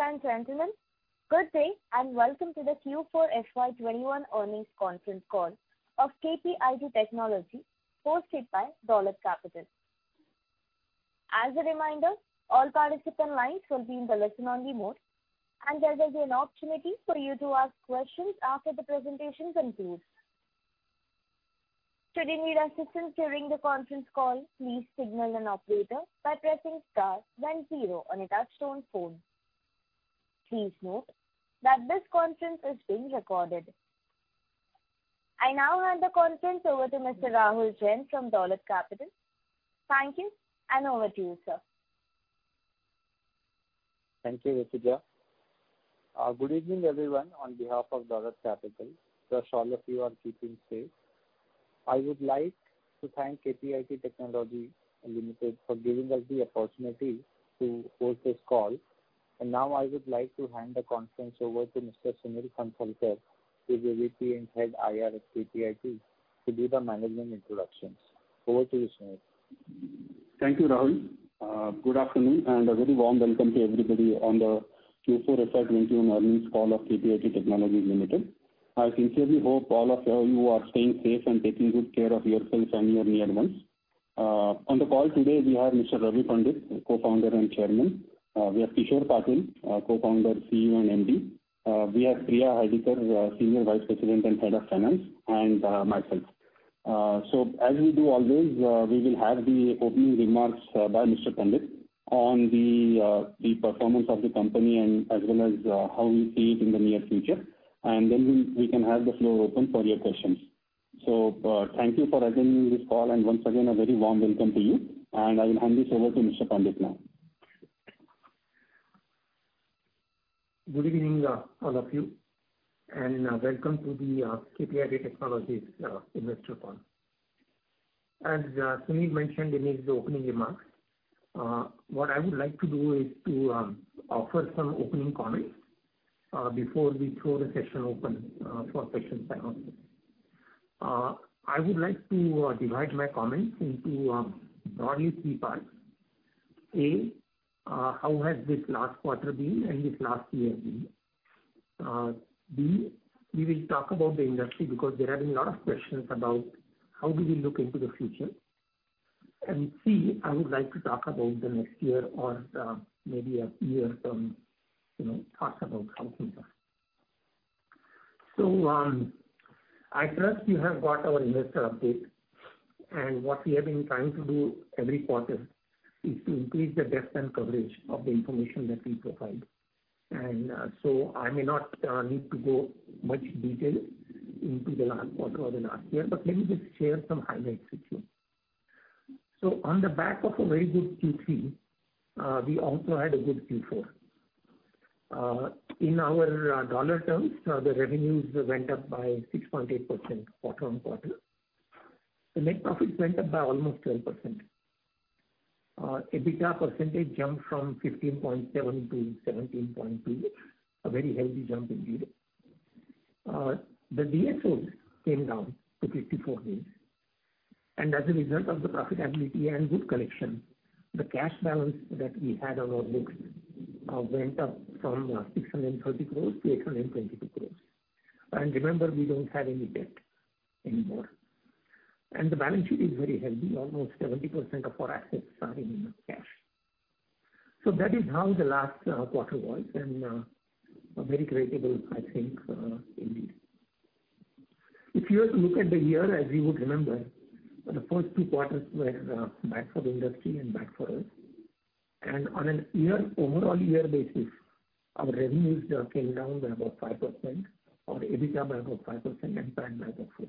Ladies and gentlemen, good day, welcome to the Q4 FY 2021 Earnings Conference Call of KPIT Technologies hosted by Dolat Capital. As a reminder, all participant lines will be in the listen-only mode. There will be an opportunity for you to ask questions after the presentation concludes. If you need assistance during the conference call, please signal an Operator by pressing star then zero on your touchscreen phone. Please note that this conference is being recorded. I now hand the conference over to Mr. Rahul Jain from Dolat Capital. Thank you. Over to you, sir. Thank you, Rituja. Good evening, everyone. On behalf of Dolat Capital, trust all of you are keeping safe. I would like to thank KPIT Technologies Limited for giving us the opportunity to host this call. Now I would like to hand the conference over to Mr. Sunil Phansalkar, who's AVP and Head IR at KPIT, to do the management introductions. Over to you, Sunil. Thank you, Rahul. Good afternoon, a very warm welcome to everybody on the Q4 FY 2021 earnings call of KPIT Technologies Limited. I sincerely hope all of you are staying safe and taking good care of yourself and your near ones. On the call today, we have Mr. Ravi Pandit, Co-founder and Chairman. We have Kishor Patil, Co-founder, CEO, and MD. We have Priyamvada Hardikar, Senior Vice President and Head of Finance, and myself. As we do always, we will have the opening remarks by Mr. Pandit on the performance of the company and as well as how we see it in the near future. We can have the floor open for your questions. Thank you for attending this call, and once again, a very warm welcome to you, and I will hand this over to Mr. Pandit now. Good evening all of you, and welcome to the KPIT Technologies investor call. As Sunil mentioned in his opening remarks, what I would like to do is to offer some opening comments before we throw the session open for questions from all of you. I would like to divide my comments into broadly three parts. A, how has this last quarter been and this last year been? B, we will talk about the industry because there have been a lot of questions about how do we look into the future. C, I would like to talk about the next year or maybe a year from, talk about something there. I trust you have got our investor update, and what we have been trying to do every quarter is to increase the depth and coverage of the information that we provide. I may not need to go much detail into the last quarter or the last year, but let me just share some highlights with you. On the back of a very good Q3, we also had a good Q4. In our USD terms, the revenues went up by 6.8% quarter-on-quarter. The net profits went up by almost 12%. EBITDA percentage jumped from 15.7%-17.2%, a very healthy jump indeed. The DSOs came down to 54 days, and as a result of the profitability and good collection, the cash balance that we had on our books went up from 630 crores-822 crores. Remember, we don't have any debt anymore. The balance sheet is very healthy. Almost 70% of our assets are in cash. That is how the last quarter was, and very creditable I think indeed. If you were to look at the year, as you would remember, the first two quarters were bad for the industry and bad for us. On an overall year basis, our revenues came down by about 5%, our EBITDA by about 5%, and PAT by about 4%.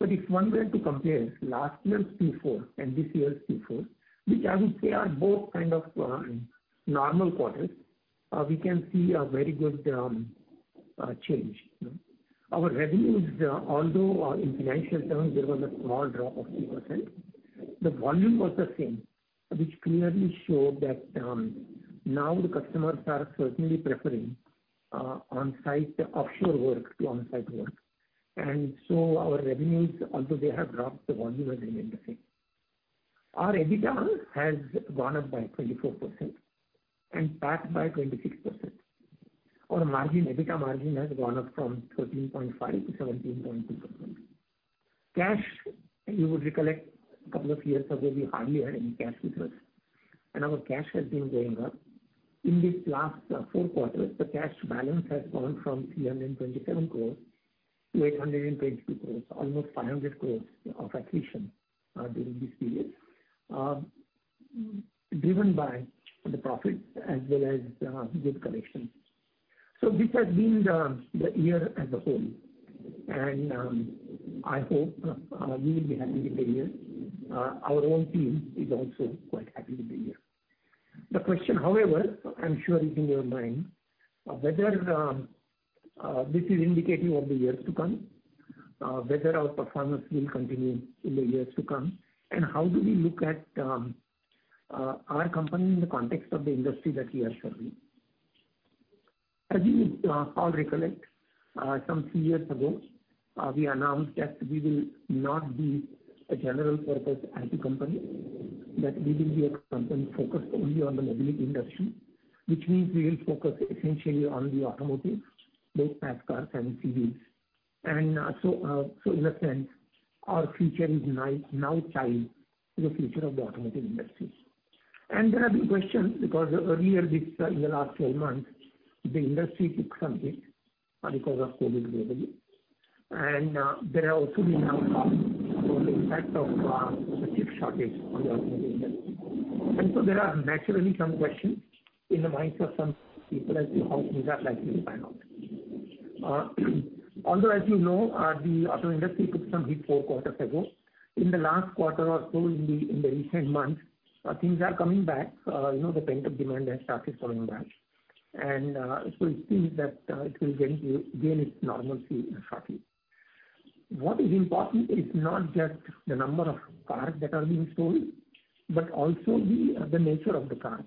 If one were to compare last year's Q4 and this year's Q4, which as we say, are both kind of normal quarters, we can see a very good change. Our revenues, although in financial terms there was a small drop of 3%, the volume was the same, which clearly showed that now the customers are certainly preferring offshore work to on-site work. Our revenues, although they have dropped, the volume has remained the same. Our EBITDA has gone up by 24% and PAT by 26%. Our EBITDA margin has gone up from 13.5%-17.2%. Cash, you would recollect a couple of years ago, we hardly had any cash with us, and our cash has been going up. In this last four quarters, the cash balance has gone from 327 crores-822 crores, almost 500 crores of accretion during this period, driven by the profit as well as good collection. This has been the year as a whole, and I hope we will be happy with the year. Our own team is also quite happy with the year. The question, however, I'm sure is in your mind, whether this is indicative of the years to come, whether our performance will continue in the years to come, and how do we look at our company in the context of the industry that we are serving. As you all recollect, some few years ago, we announced that we will not be a general purpose IT company, that we will be a company focused only on the mobility industry, which means we will focus essentially on the automotive, both cars and CVs. In a sense, our future is now tied to the future of the automotive industry. There have been questions because in the last 12 months, the industry took something because of COVID globally. There have also been announcements for the impact of the chip shortage on the automotive industry. There are naturally some questions in the minds of some people as to how things are likely to pan out. Although as you know, the auto industry took some hit four quarters ago. In the last quarter or so in the recent months, things are coming back, the pent-up demand has started coming back. It seems that it will gain its normalcy shortly. What is important is not just the number of cars that are being sold, but also the nature of the cars.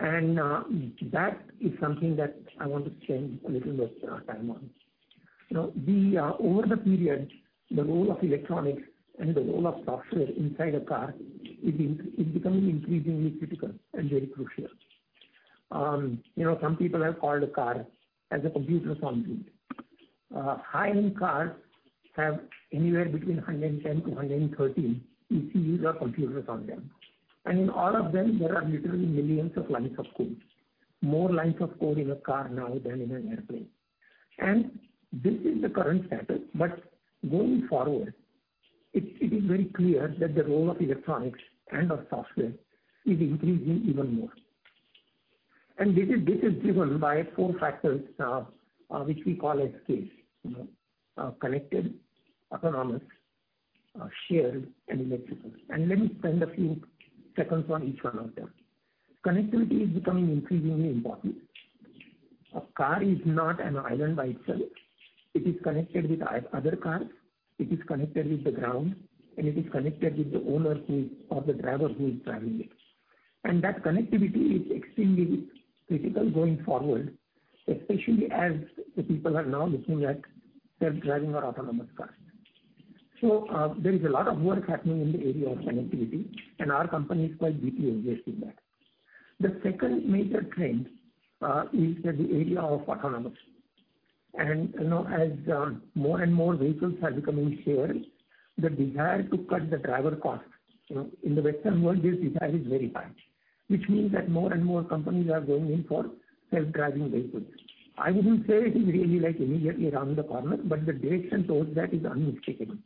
That is something that I want to spend a little bit time on. Over the period, the role of electronics and the role of software inside a car is becoming increasingly critical and very crucial. Some people have called a car as a computer on wheels. High-end cars have anywhere between 110-113 ECUs or computers on them. In all of them, there are literally millions of lines of codes. More lines of code in a car now than in an airplane. This is the current status, but going forward, it is very clear that the role of electronics and of software is increasing even more. This is driven by four factors, which we call as CASE: connected, autonomous, shared, and electrical. Let me spend a few seconds on each one of them. Connectivity is becoming increasingly important. A car is not an island by itself. It is connected with other cars, it is connected with the ground, and it is connected with the owner or the driver who is driving it. That connectivity is extremely critical going forward, especially as the people are now looking at self-driving or autonomous cars. There is a lot of work happening in the area of connectivity, and our company is quite deeply engaged in that. The second major trend is the area of autonomous. As more and more vehicles are becoming shared, the desire to cut the driver cost. In the Western world, this desire is very high, which means that more and more companies are going in for self-driving vehicles. I wouldn't say it is really immediately around the corner, but the direction towards that is unmistakable.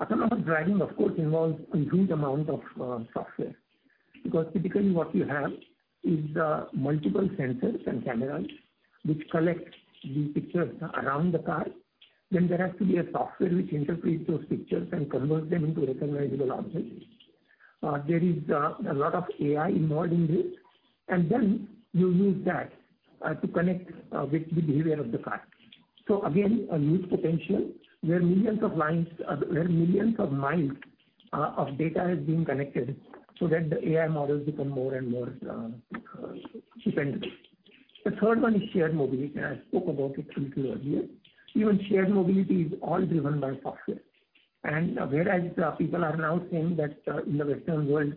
Autonomous driving, of course, involves a huge amount of software, because typically what you have is multiple sensors and cameras, which collect the pictures around the car. There has to be a software which interprets those pictures and converts them into recognizable objects. There is a lot of AI involved in this, and then you use that to connect with the behavior of the car. Again, a huge potential where millions of miles of data is being connected so that the AI models become more and more dependent. The third one is shared mobility, and I spoke about it briefly earlier. Even shared mobility is all driven by software. Whereas people are now saying that in the Western world,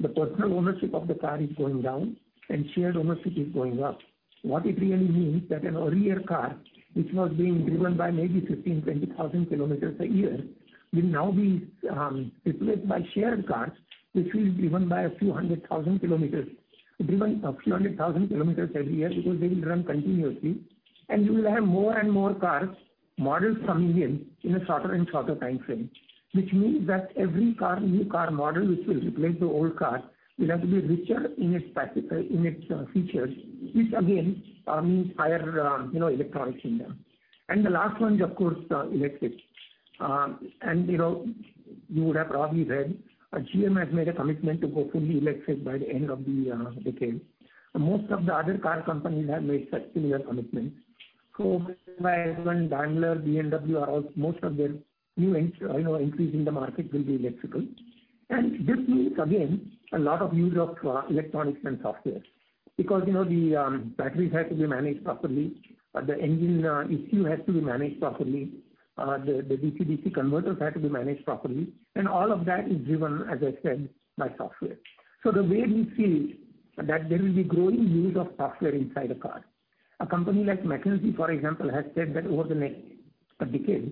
the personal ownership of the car is going down and shared ownership is going up. What it really means that an earlier car, which was being driven by maybe 15,000, 20,000 kilometers a year, will now be replaced by shared cars, which will be driven a few 100,000 kilometers every year because they will run continuously. You will have more and more cars, models coming in a shorter and shorter time frame. Which means that every new car model which will replace the old car will have to be richer in its features, which again means higher electronics in them. The last one is, of course, electric. You would have probably read, GM has made a commitment to go fully electric by the end of the decade. Most of the other car companies have made such similar commitments. Mercedes, Volkswagen, Daimler, BMW, most of their new entry in the market will be electrical. This means, again, a lot of use of electronics and software. Because the batteries have to be managed properly, the engine ECU has to be managed properly, the DC-DC converters have to be managed properly, and all of that is driven, as I said, by software. The way we see that there will be growing use of software inside a car. A company like McKinsey, for example, has said that over the next decade,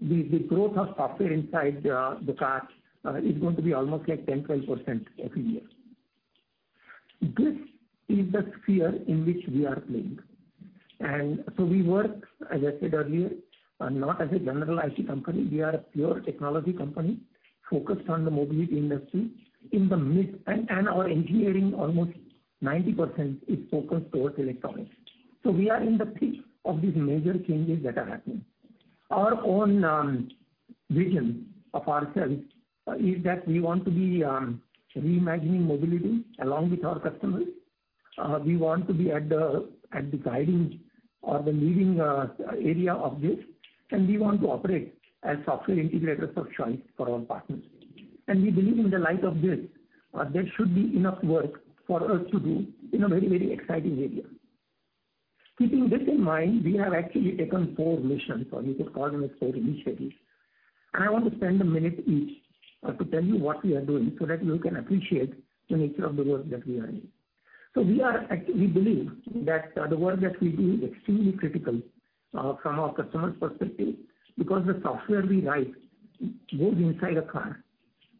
the growth of software inside the cars is going to be almost 10%, 12% every year. This is the sphere in which we are playing. We work, as I said earlier, not as a general IT company. We are a pure technology company focused on the mobility industry. Our engineering, almost 90%, is focused towards electronics. We are in the thick of these major changes that are happening. Our own vision of ourselves is that we want to be reimagining mobility along with our customers. We want to be at the guiding or the leading area of this, and we want to operate as software integrators of choice for our partners. We believe in the light of this, there should be enough work for us to do in a very exciting area. Keeping this in mind, we have actually taken four missions, or you could call them four initiatives. I want to spend a minute each to tell you what we are doing so that you can appreciate the nature of the work that we are in. We believe that the work that we do is extremely critical from our customer's perspective, because the software we write goes inside a car.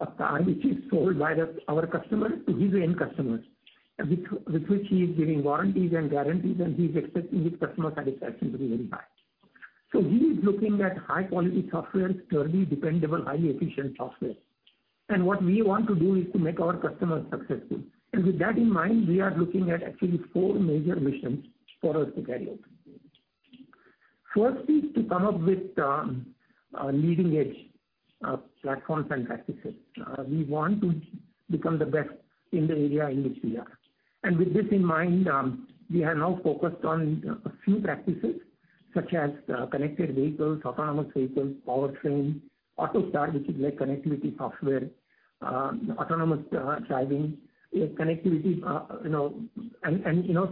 A car which is sold by our customer to his end customers, and with which he is giving warranties and guarantees, and he's expecting his customer satisfaction to be very high. He is looking at high quality software, sturdy, dependable, highly efficient software. What we want to do is to make our customers successful. With that in mind, we are looking at actually four major missions for us to carry out. First is to come up with leading-edge platforms and practices. We want to become the best in the area in which we are. With this in mind, we have now focused on a few practices such as connected vehicles, autonomous vehicles, powertrain, AUTOSAR, which is like connectivity software, autonomous driving, and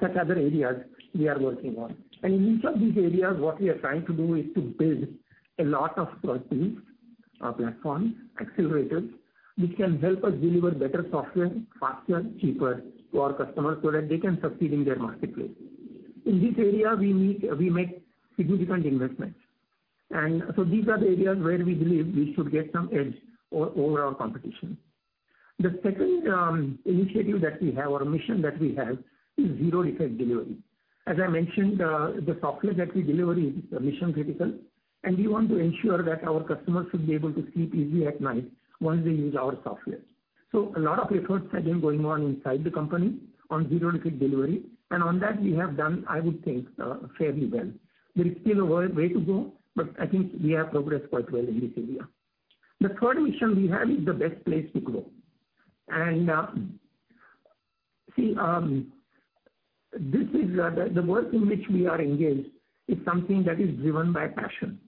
such other areas we are working on. In each of these areas, what we are trying to do is to build a lot of tools, platforms, accelerators, which can help us deliver better software, faster, cheaper to our customers so that they can succeed in their marketplace. In this area, we make significant investments. These are the areas where we believe we should get some edge over our competition. The second initiative that we have, or mission that we have, is zero defect delivery. As I mentioned, the software that we deliver is mission-critical, and we want to ensure that our customers should be able to sleep easy at night once they use our software. A lot of efforts have been going on inside the company on zero defect delivery. On that we have done, I would think, fairly well. There is still a way to go, but I think we have progressed quite well in this area. The third mission we have is the best place to grow. See, the work in which we are engaged is something that is driven by passion.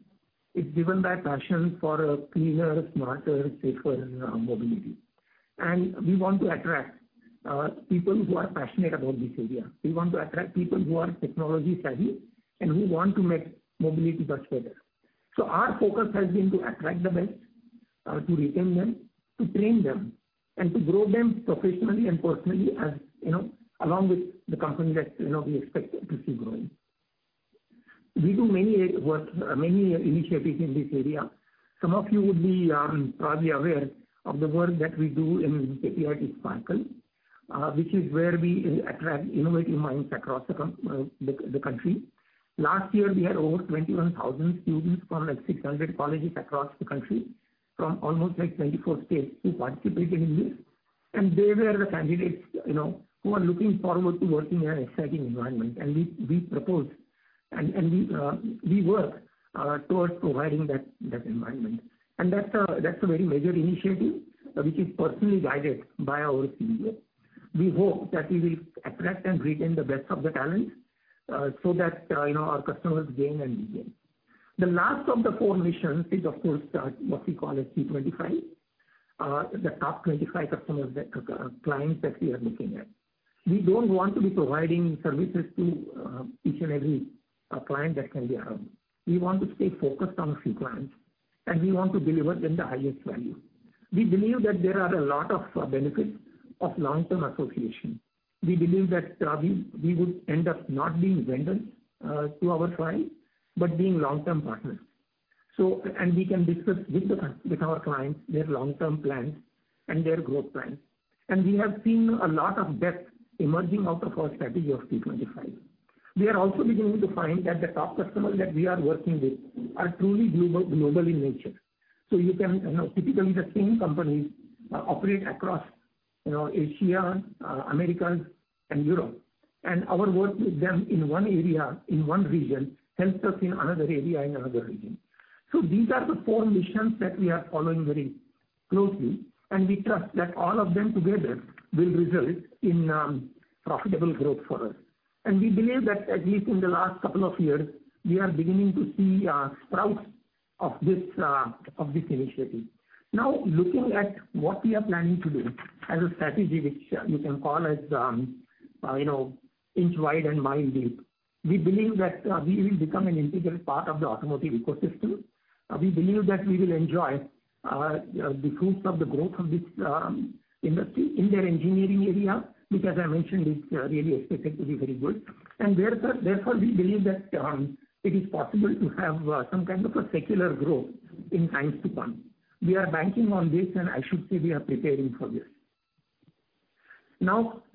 It's driven by passion for a cleaner, smarter, safer mobility. We want to attract people who are passionate about this area. We want to attract people who are technology savvy and who want to make mobility much better. Our focus has been to attract the best, to retain them, to train them, and to grow them professionally and personally along with the company that we expect to see growing. We do many initiatives in this area. Some of you would be probably aware of the work that we do in KPIT Sparkle, which is where we attract innovative minds across the country. Last year, we had over 21,000 students from like 600 colleges across the country from almost 24 states who participated in this, and they were the candidates who are looking forward to working in an exciting environment. We propose, and we work towards providing that environment. That's a very major initiative, which is personally guided by our CEO. We hope that we will attract and retain the best of the talent, so that our customers gain and regain. The last of the four missions is, of course, what we call a T25. The top 25 customers, clients that we are looking at. We don't want to be providing services to each and every client that can be around. We want to stay focused on a few clients, we want to deliver them the highest value. We believe that there are a lot of benefits of long-term association. We believe that we would end up not being vendors to our clients, but being long-term partners. We can discuss with our clients their long-term plans and their growth plans. We have seen a lot of depth emerging out of our strategy of T25. We are also beginning to find that the top customers that we are working with are truly global in nature. Typically the same companies operate across Asia, Americas, and Europe. Our work with them in one area, in one region, helps us in another area, in another region. These are the four missions that we are following very closely, and we trust that all of them together will result in profitable growth for us. We believe that at least in the last couple of years, we are beginning to see sprouts of this initiative. Looking at what we are planning to do as a strategy, which you can call as inch wide and mile deep, we believe that we will become an integral part of the automotive ecosystem. We believe that we will enjoy the fruits of the growth of this industry in their engineering area, which as I mentioned, is really expected to be very good. Therefore, we believe that it is possible to have some kind of a secular growth in times to come. We are banking on this, and I should say we are preparing for this. We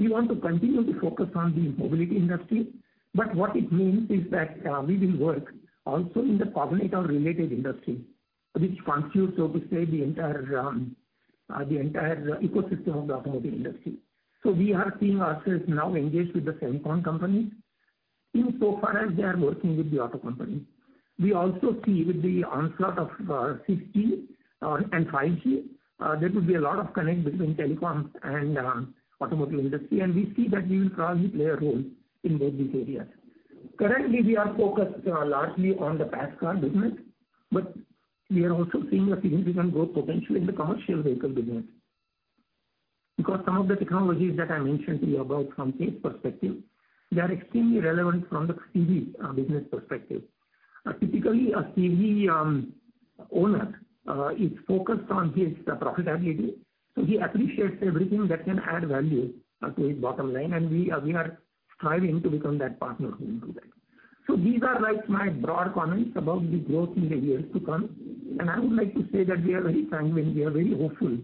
want to continue to focus on the mobility industry, but what it means is that we will work also in the cognate or related industry, which constitutes, so to say, the entire ecosystem of the automotive industry. We are seeing ourselves now engaged with the semicon company insofar as they are working with the auto company. We also see with the onslaught of 5G, there could be a lot of connect between telecoms and automotive industry, and we see that we will probably play a role in both these areas. Currently, we are focused largely on the passenger car business, but we are also seeing a significant growth potential in the commercial vehicle business. Some of the technologies that I mentioned to you about from sales perspective, they are extremely relevant from the CV business perspective. Typically, a CV owner is focused on his profitability, so he appreciates everything that can add value to his bottom line, and we are striving to become that partner who will do that. These are my broad comments about the growth in the years to come. I would like to say that we are very sanguine, we are very hopeful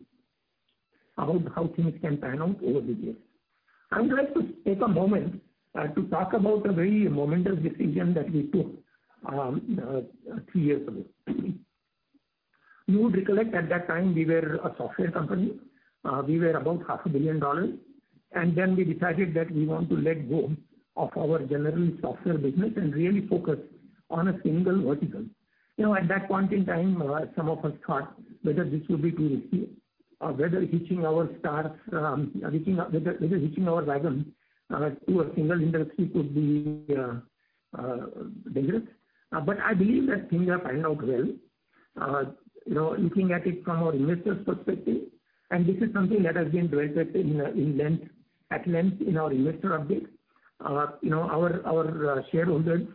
about how things can pan out over the years. I would like to take a moment to talk about a very momentous decision that we took three years ago. You would recollect at that time, we were a software company. We were about half a billion dollars, then we decided that we want to let go of our general software business and really focus on a single vertical. At that point in time, some of us thought whether this would be too risky, or whether hitching our wagon to a single industry could be dangerous. I believe that things have panned out well. Looking at it from our investors' perspective, and this is something that has been dwelt at length in our investor update. Our shareholders,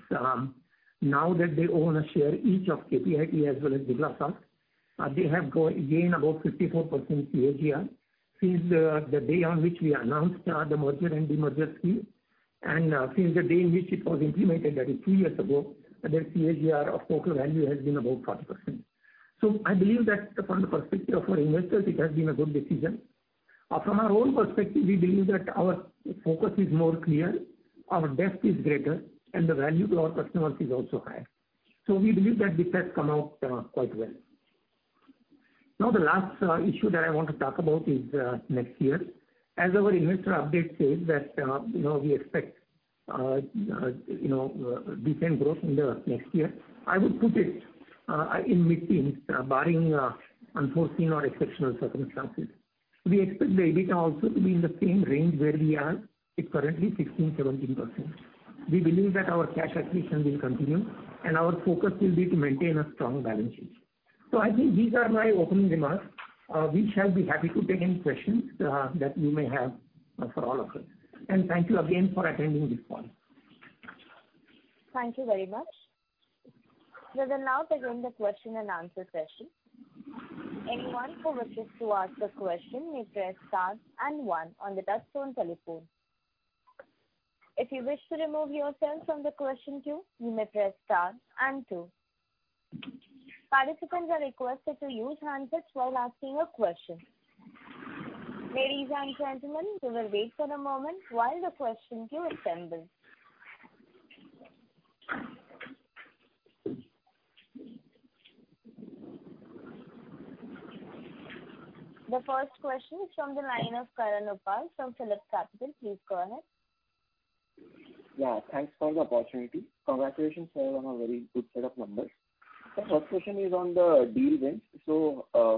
now that they own a share each of KPIT as well as Wipro stock, they have gained about 54% CAGR since the day on which we announced the merger and demerger scheme. Since the day in which it was implemented, that is three years ago, their CAGR of total value has been about 40%. I believe that from the perspective of our investors, it has been a good decision. From our own perspective, we believe that our focus is more clear, our depth is greater, and the value to our customers is also higher. We believe that this has come out quite well. The last issue that I want to talk about is next year. As our investor update says that we expect decent growth in the next year. I would put it in mid-teens, barring unforeseen or exceptional circumstances. We expect the EBITDA also to be in the same range where we are. It's currently 16%, 17%. We believe that our cash acquisition will continue, and our focus will be to maintain a strong balance sheet. I think these are my opening remarks. We shall be happy to take any questions that you may have for all of us. Thank you again for attending this call. Thank you very much. We will now begin the question and answer session. Anyone who wishes to ask a question may press star and one on the touchtone telephone. If you wish to remove yourself from the question queue, you may press star and two. Participants are requested to use handsets while asking a question. Ladies and gentlemen, we will wait for a moment while the question queue assembles. The first question is from the line of Karan Uppal from PhillipCapital. Please go ahead. Yeah, thanks for the opportunity. Congratulations on a very good set of numbers. The first question is on the deal wins.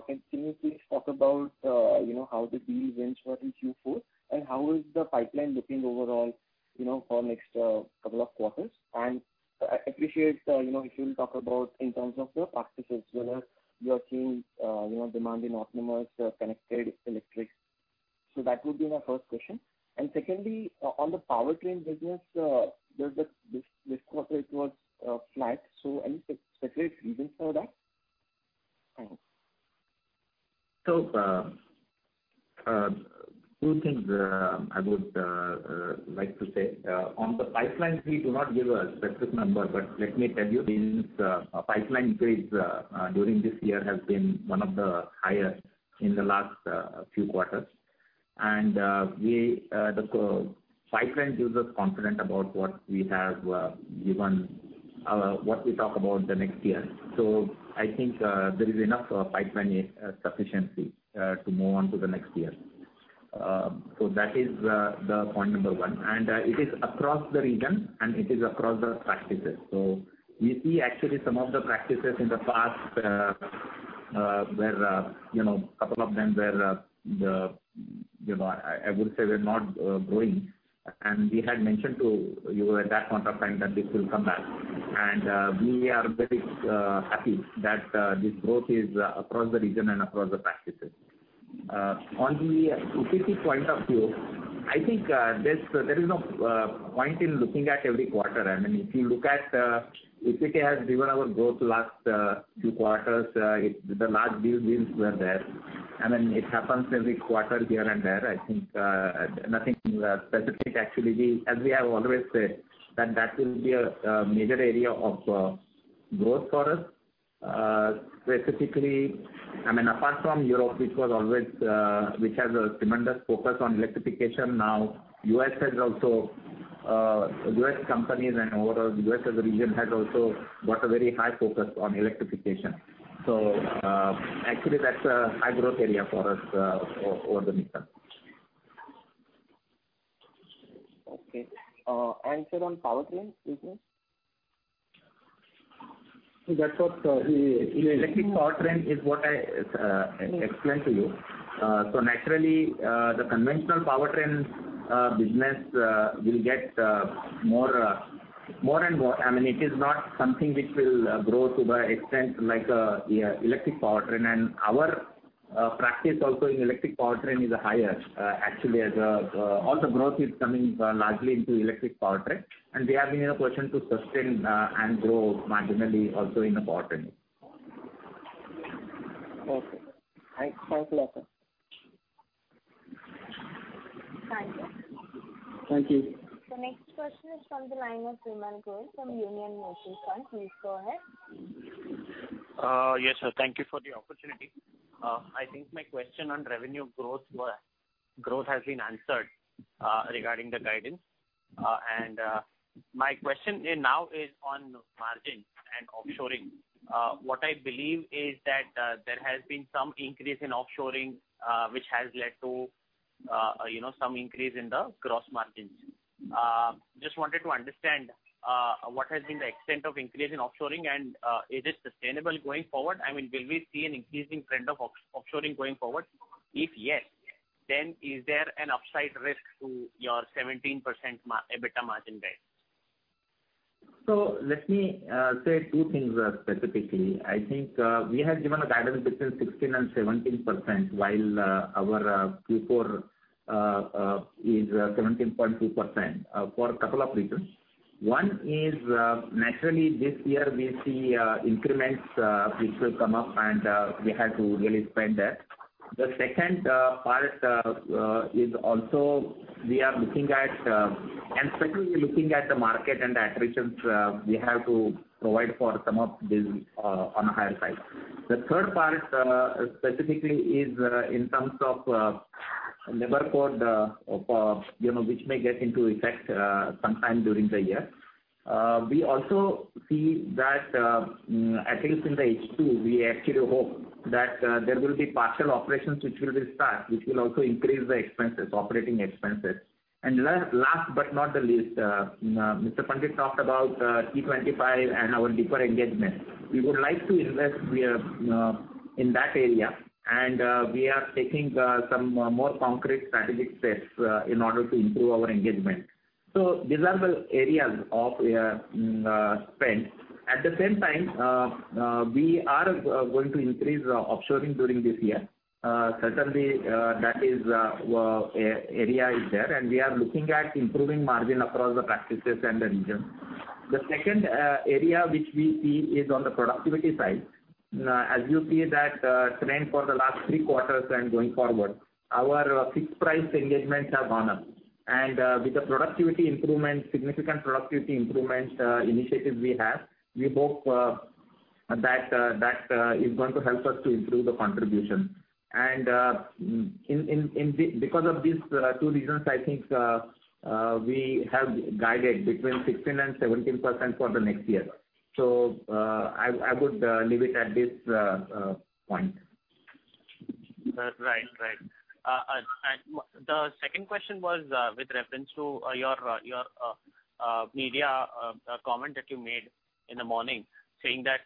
Can you please talk about how the deal wins were in Q4, how is the pipeline looking overall, for next couple of quarters? I appreciate if you will talk about in terms of the practices, whether you are seeing demand in autonomous, connected, electric. That would be my first question. Secondly, on the powertrain business, this quarter it was flat. Any specific reasons for that? Thanks. Two things I would like to say. On the pipelines, we do not give a specific number, but let me tell you, the pipeline increase during this year has been one of the highest in the last few quarters. The pipeline gives us confidence about what we talk about the next year. I think there is enough pipeline sufficiency to move on to the next year. That is point number one, and it is across the region, and it is across the practices. We see actually some of the practices in the past where a couple of them were, I would say, were not growing. We had mentioned to you at that point of time that this will come back. We are very happy that this growth is across the region and across the practices. On the U.K. point of view, I think there is no point in looking at every quarter. If you look at U.K. has driven our growth the last few quarters, the large deal wins were there. Then it happens every quarter here and there. I think nothing specific, actually. As we have always said, that will be a major area of growth for us. Specifically, apart from Europe, which has a tremendous focus on electrification now, U.S. companies and overall U.S. as a region has also got a very high focus on electrification. Actually, that's a high-growth area for us over the medium term. Okay. Sir, on powertrains, please? That's what we- Electric Powertrain is what I explained to you. Naturally, the conventional powertrain business will get more and more. It is not something which will grow to the extent like Electric Powertrain. Our practice also in Electric Powertrain is higher. Actually, all the growth is coming largely into Electric Powertrain, and we have been in a position to sustain and grow marginally also in the powertrain. Okay. Thanks a lot, sir. Thank you. Thank you. The next question is from the line of Vimal Gohil from Union Mutual Fund. Please go ahead. Yes, sir. Thank you for the opportunity. I think my question on revenue growth has been answered regarding the guidance. My question now is on margin and offshoring. What I believe is that there has been some increase in offshoring, which has led to some increase in the gross margins. Just wanted to understand what has been the extent of increase in offshoring, and is it sustainable going forward? Will we see an increasing trend of offshoring going forward? If yes, then is there an upside risk to your 17% EBITDA margin guide? Let me say two things specifically. I think we have given a guidance between 16% and 17%, while our Q4 is 17.2%, for two reasons. One is, naturally, this year we see increments which will come up, and we have to really spend there. The second part is also, we are looking at the market and the attrition we have to provide for some of this on a higher side. The third part specifically is in terms of labor code which may get into effect sometime during the year. We also see that at least in the H2, we actually hope that there will be partial operations which will restart, which will also increase the operating expenses. Last but not the least, Mr. Pandit talked about T25 and our deeper engagement. We would like to invest in that area, and we are taking some more concrete strategic steps in order to improve our engagement. These are the areas of spend. At the same time, we are going to increase offshoring during this year. Certainly, that area is there, and we are looking at improving margin across the practices and the region. The second area which we see is on the productivity side. As you see that trend for the last three quarters and going forward, our fixed price engagements have gone up. With the significant productivity improvement initiatives we have, we hope that is going to help us to improve the contribution. Because of these two reasons, I think we have guided between 16% and 17% for the next year. I would leave it at this point. Right. The second question was with reference to your media comment that you made in the morning, saying that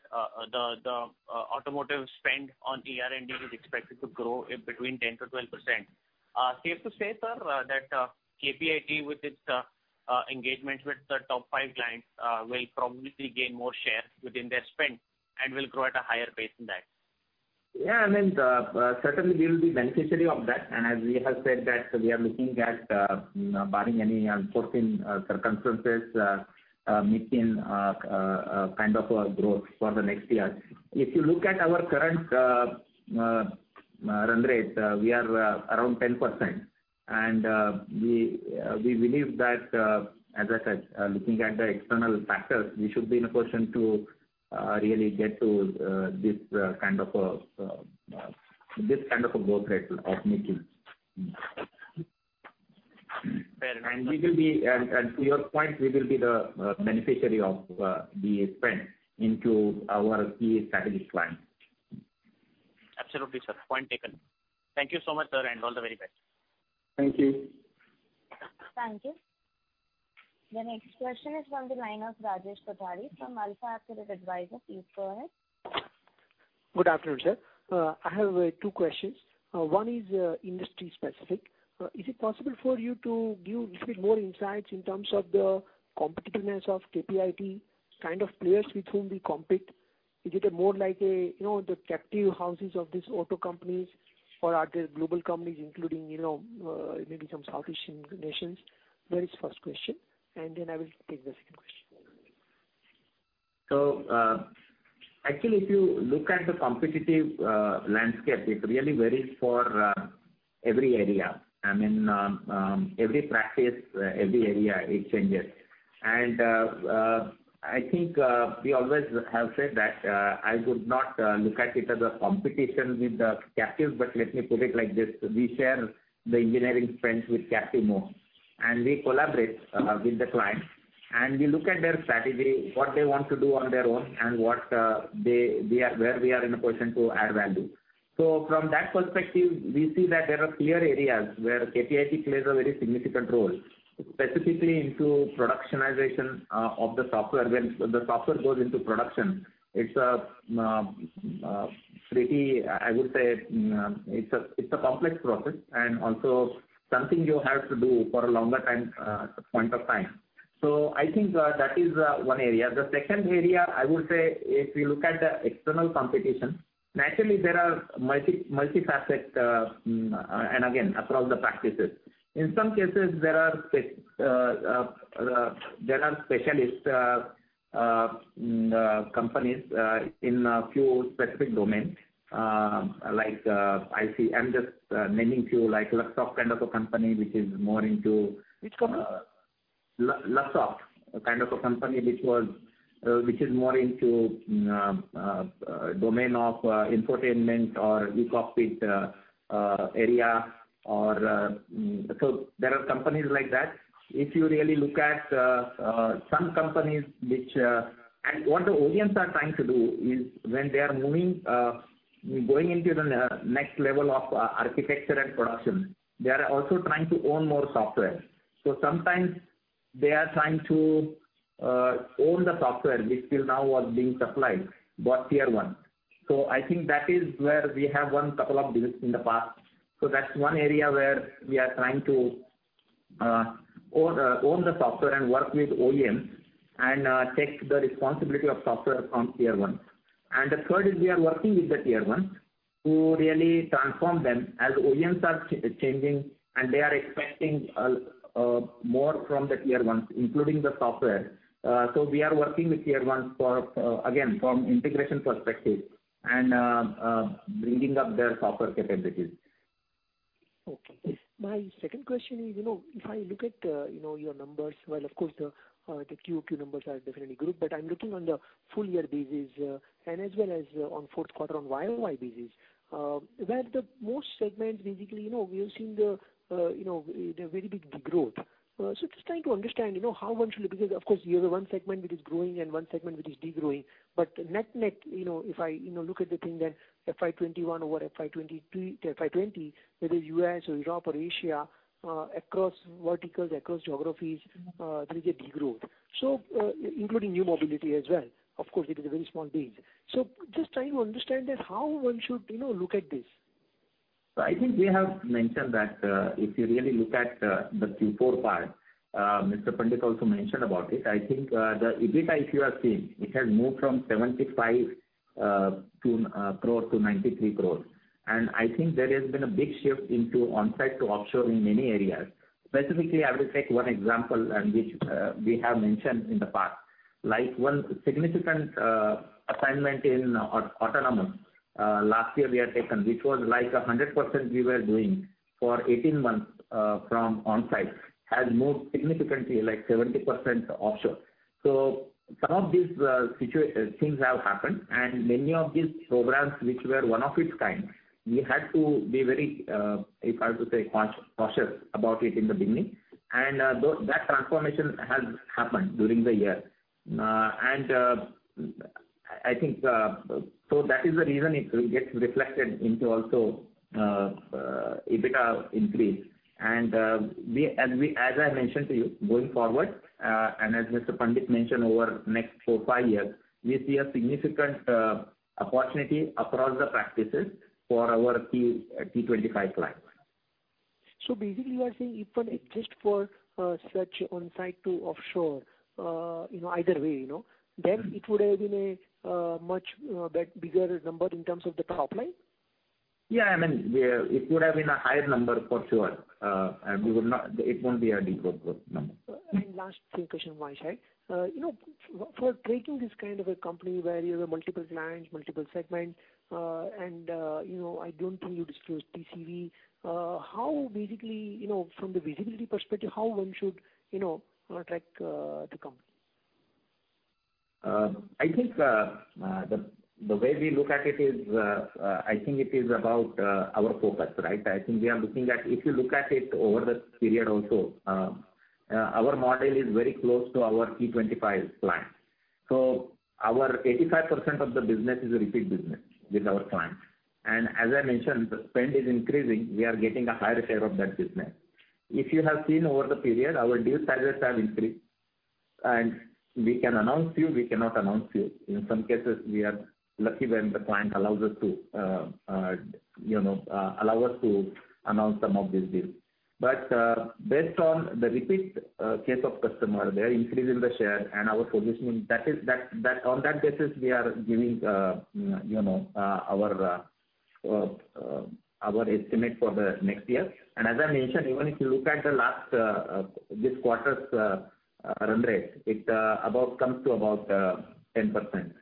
the automotive spend on ER&D is expected to grow between 10%-12%. Safe to say, sir, that KPIT, with its engagements with the top five clients will probably gain more share within their spend and will grow at a higher pace than that? Yeah. Certainly, we will be beneficiary of that. As we have said that we are looking at, barring any unforeseen circumstances, mid-teen kind of a growth for the next year. If you look at our current run rate, we are around 10%. We believe that, as I said, looking at the external factors, we should be in a position to really get to this kind of a growth rate of mid-teen. Fair enough. To your point, we will be the beneficiary of the spend into our key strategic clients. Absolutely, sir. Point taken. Thank you so much, sir, and all the very best. Thank you. Thank you. The next question is on the line of Rajesh Kothari from AlfAccurate Advisors. Please go ahead. Good afternoon, sir. I have two questions. One is industry specific. Is it possible for you to give little bit more insights in terms of the competitiveness of KPIT, kind of players with whom we compete? Is it a more like the captive houses of these auto companies, or are there global companies, including maybe some South Asian nations? That is first question, and then I will take the second question. Actually, if you look at the competitive landscape, it really varies for every area. Every practice, every area it changes. I think we always have said that I would not look at it as a competition with the captives, but let me put it like this. We share the engineering spends with captive more, and we collaborate with the clients, and we look at their strategy, what they want to do on their own, and where we are in a position to add value. From that perspective, we see that there are clear areas where KPIT plays a very significant role, specifically into productionization of the software. When the software goes into production, it's a pretty, I would say, it's a complex process and also something you have to do for a longer point of time. I think that is one area. The second area, I would say, if you look at the external competition, naturally there are multi-facet and again, across the practices. In some cases, there are specialist companies in a few specific domains like I see, I'm just naming a few, like Luxoft kind of a company which is more into. Which company? Luxoft. A kind of a company which is more into domain of infotainment or e-cockpit area. There are companies like that. If you really look at some companies. What the OEMs are trying to do is when they are going into the next level of architecture and production, they are also trying to own more software. Sometimes they are trying to own the software which till now was being supplied by Tier 1. I think that is where we have won couple of business in the past. That's one area where we are trying to own the software and work with OEM and take the responsibility of software from Tier 1. The third is we are working with the Tier 1 to really transform them as OEMs are changing, and they are expecting more from the Tier 1s, including the software. We are working with Tier 1, again, from integration perspective and building up their software capabilities. My second question is, if I look at your numbers, well, of course, the Q2 numbers are definitely good, but I'm looking on the full year basis, and as well as on fourth quarter on year-over-year basis. Where the most segments basically, we have seen the very big growth. Just trying to understand how one should look because, of course, you have one segment which is growing and one segment which is degrowing. Net-net, if I look at the thing FY 2021 over FY 2020, whether U.S. or Europe or Asia, across verticals, across geographies, there is a degrowth, including new mobility as well. Of course, it is a very small base. Just trying to understand that how one should look at this. I think we have mentioned that if you really look at the Q4 part, Ravi Pandit also mentioned about it. I think the EBITDA, if you have seen, it has moved from 75 crore-93 crore. I think there has been a big shift into on-site to offshore in many areas. Specifically, I will take one example and which we have mentioned in the past. One significant assignment in autonomous last year we had taken, which was 100% we were doing for 18 months from on-site, has moved significantly, like 70% offshore. Some of these things have happened. Many of these programs, which were one of its kind, we had to be very, if I have to say, cautious about it in the beginning. That transformation has happened during the year. That is the reason it will get reflected into also EBITDA increase. As I mentioned to you, going forward, as Mr. Pandit mentioned, over next four, five years, we see a significant opportunity across the practices for our T25 clients. Basically, you are saying even if just for such on-site to offshore, either way, then it would have been a much bigger number in terms of the top line? Yeah, it would have been a higher number for sure. It won't be a degrowth number. Last question on my side. For tracking this kind of a company where you have multiple clients, multiple segments, and I don't think you disclose TCV. From the visibility perspective, how one should track the company? I think the way we look at it is, I think it is about our focus, right? I think if you look at it over the period also, our model is very close to our T25 clients. Our 85% of the business is a repeat business with our clients. As I mentioned, the spend is increasing. We are getting a higher share of that business. If you have seen over the period, our deal sizes have increased, and we can announce few, we cannot announce few. In some cases, we are lucky when the client allow us to announce some of these deals. Based on the repeat case of customer, they are increasing the share and our solution, on that basis we are giving our estimate for the next year. As I mentioned, even if you look at this quarter's run rate, it about comes to about 10%,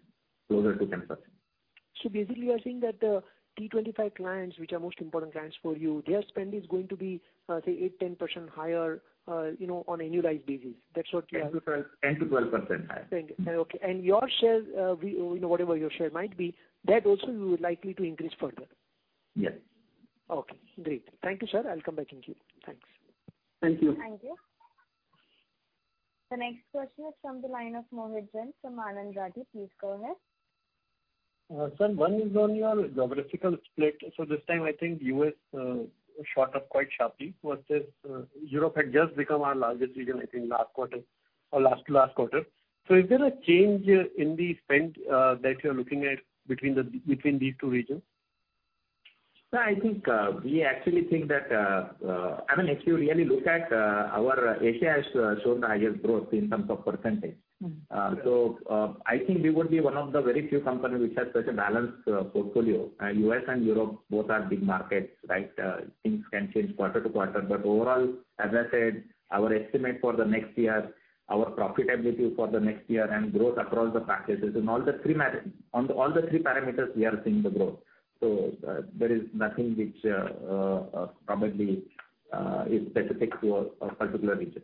closer to 10%. Basically, you are saying that the T25 clients, which are most important clients for you, their spend is going to be, say, eight, 10% higher on annualized basis. 10%-12% higher. Thank you. Okay. Your share, whatever your share might be, that also you would likely to increase further. Yes. Okay, great. Thank you, sir. I'll come back in queue. Thanks. Thank you. Thank you. The next question is from the line of Mohit Jain from Anand Rathi. Please go ahead. Sir, one is on your geographical split. This time, I think U.S. shot up quite sharply. Europe had just become our largest region, I think last quarter or last to last quarter. Is there a change in the spend that you're looking at between these two regions? No, if you really look at our Asia has shown the highest growth in terms of percentage. I think we would be one of the very few companies which has such a balanced portfolio. U.S. and Europe, both are big markets, right? Things can change quarter to quarter, but overall, as I said, our estimate for the next year, our profitability for the next year and growth across the packages on all the three parameters we are seeing the growth. There is nothing which probably is specific to a particular region.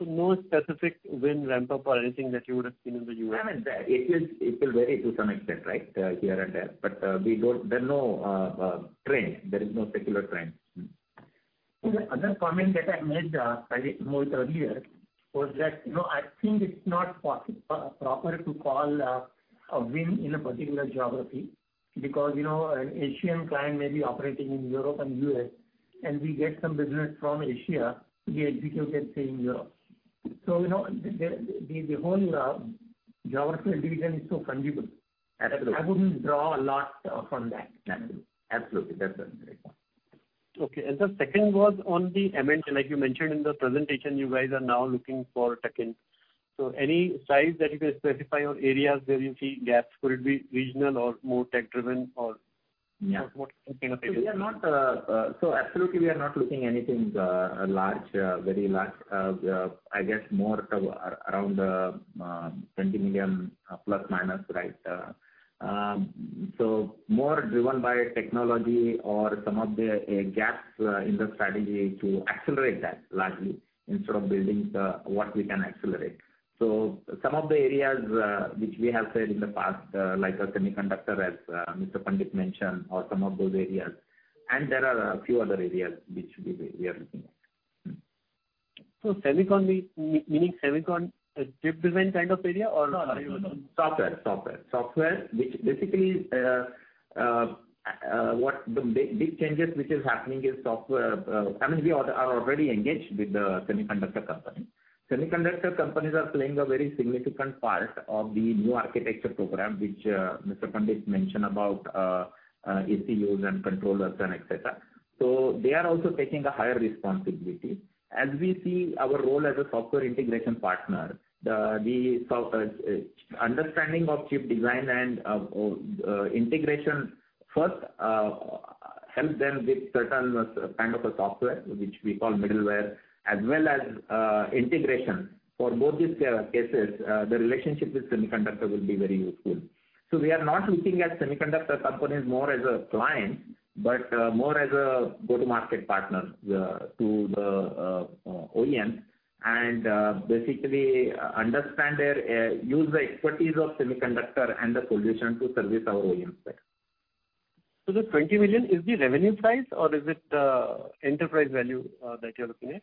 No specific win ramp-up or anything that you would have seen in the U.S.? It will vary to some extent, right? Here and there. There is no secular trend. The other comment that I made, Mohit, earlier, was that, I think it's not proper to call a win in a particular geography because an Asian client may be operating in Europe and U.S., and we get some business from Asia to be executed, say, in Europe. The whole geographical division is so fungible. I wouldn't draw a lot from that. Absolutely. That's a great point. Okay. The second was on the M&A, like you mentioned in the presentation, you guys are now looking for tuck-in. Any size that you can specify or areas where you see gaps, could it be regional or more tech-driven or what kind of areas? Absolutely we are not looking anything large, very large. I guess more around 20 million, plus minus. More driven by technology or some of the gaps in the strategy to accelerate that largely instead of building what we can accelerate. Some of the areas which we have said in the past, like the semiconductor, as Mr. Pandit mentioned, or some of those areas, and there are a few other areas which we are looking at. Semicon, meaning semicon chip design kind of area? No. Software. Basically, the big changes which is happening in software. We are already engaged with the semiconductor company. Semiconductor companies are playing a very significant part of the new architecture program, which Mr. Pandit mentioned about ECUs and controllers and et cetera. They are also taking a higher responsibility. As we see our role as a software integration partner, the understanding of chip design and integration first helps them with certain kind of a software, which we call middleware, as well as integration. For both these cases, the relationship with semiconductor will be very useful. We are not looking at semiconductor companies more as a client, but more as a go-to-market partner to the OEM and basically understand their use the expertise of semiconductor and the solution to service our OEM side. The 20 million is the revenue size or is it the enterprise value that you're looking at?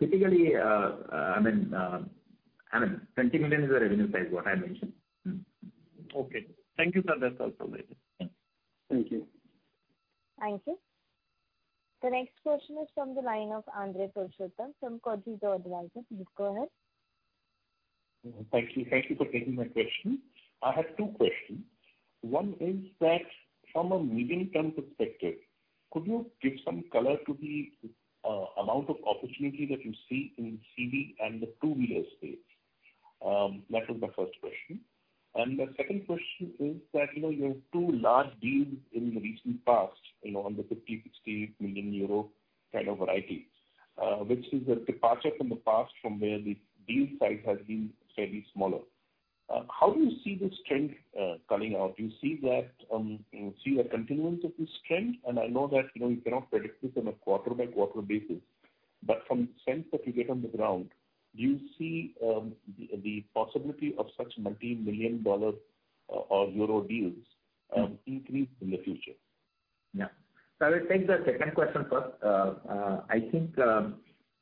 Typically, 20 million is the revenue size, what I mentioned. Okay. Thank you, sir. That's all from my end. Thank you. Thank you. The next question is from the line of Kawaljeet Saluja from Kotak Securities, please go ahead. Thank you for taking my question. I have two questions. One is that from a medium-term perspective, could you give some color to the amount of opportunity that you see in CV and the two-wheeler space? That was my first question. The second question is that, you have two large deals in the recent past, on the 50 million-60 million euro kind of variety, which is a departure from the past from where the deal size has been fairly smaller. How do you see the strength coming out? Do you see a continuance of this strength? I know that you cannot predict this on a quarter-by-quarter basis. From the sense that you get on the ground, do you see the possibility of such multi-million dollar or euro deals increase in the future? Yeah. I will take the second question first. I think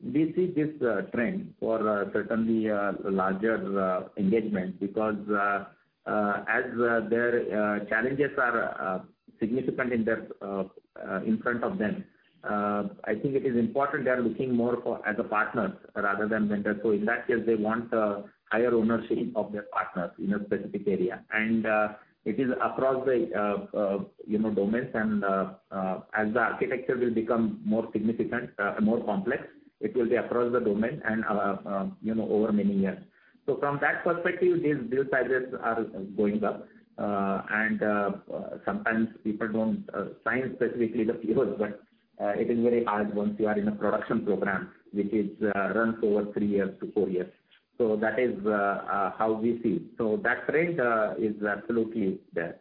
we see this trend for certainly larger engagement because as their challenges are significant in front of them, I think it is important they are looking more for as a partner rather than vendor. In that case, they want a higher ownership of their partners in a specific area. It is across the domains and as the architecture will become more significant, more complex, it will be across the domain and over many years. From that perspective, deal sizes are going up. Sometimes people don't sign specifically the deals, but it is very hard once you are in a production program which runs over three years-four years. That is how we see. That trend is absolutely there.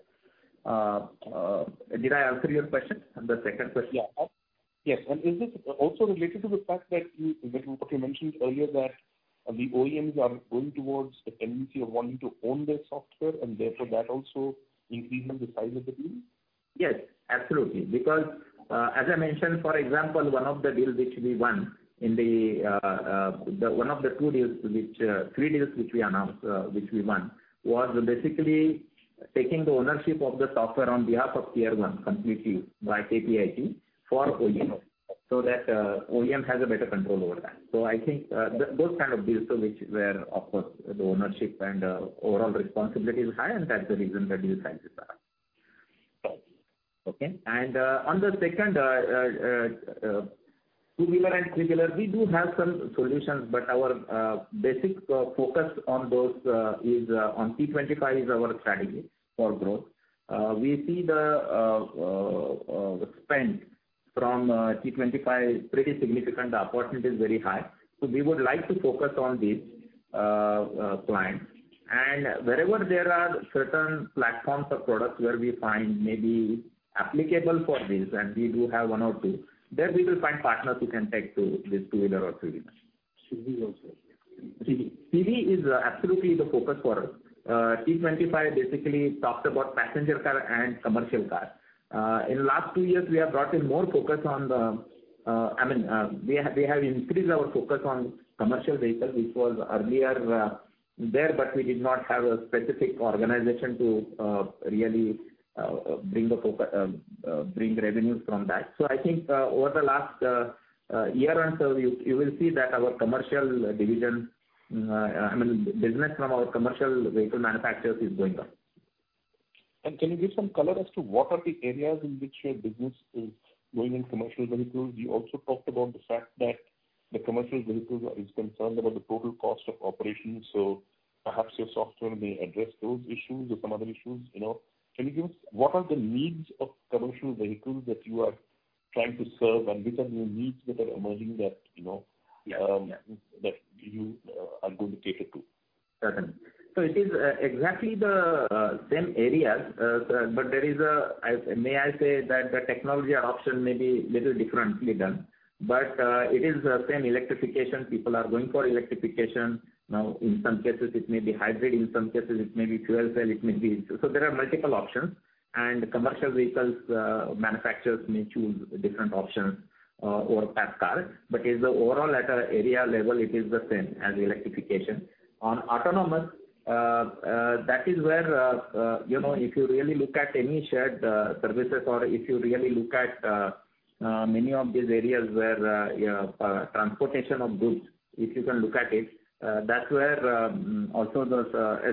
Did I answer your question, the second question? Yeah. Yes. Is this also related to the fact that you mentioned earlier that the OEMs are going towards a tendency of wanting to own their software and therefore that also increasing the size of the deal? Yes, absolutely. Because as I mentioned, for example, one of the three deals which we won, was basically taking the ownership of the software on behalf of Tier 1 completely by KPIT for OEM, so that OEM has a better control over that. I think those kind of deals which were, of course, the ownership and overall responsibility is high, and that's the reason the deal sizes are high. Okay. On the second, two-wheeler and three-wheeler, we do have some solutions, but our basic focus on those is on T25 is our strategy for growth. We see the spend from T25 pretty significant. The opportunity is very high. We would like to focus on these clients. Wherever there are certain platforms or products where we find maybe applicable for this, and we do have one or two, there we will find partners who can take to this two-wheeler or three-wheeler. CV also. CV is absolutely the focus for us. T25 basically talks about passenger car and commercial car. In last two years, we have increased our focus on commercial vehicle, which was earlier there, but we did not have a specific organization to really bring revenues from that. I think over the last year or so, you will see that our commercial division, I mean, business from our commercial vehicle manufacturers is going up. Can you give some color as to what are the areas in which your business is growing in commercial vehicles? You also talked about the fact that the commercial vehicles is concerned about the total cost of operations. Perhaps your software may address those issues or some other issues. What are the needs of commercial vehicles that you are trying to serve, and which are the needs that are emerging that you are going to cater to? Certainly. It is exactly the same areas, but may I say that the technology adoption may be little differently done. It is same electrification. People are going for electrification now. In some cases it may be hybrid, in some cases it may be fuel cell. There are multiple options, and commercial vehicles manufacturers may choose different options over passenger cars. Overall, at area level, it is the same as electrification. On autonomous, that is where if you really look at any shared services or if you really look at many of these areas where transportation of goods, if you can look at it, that's where also those,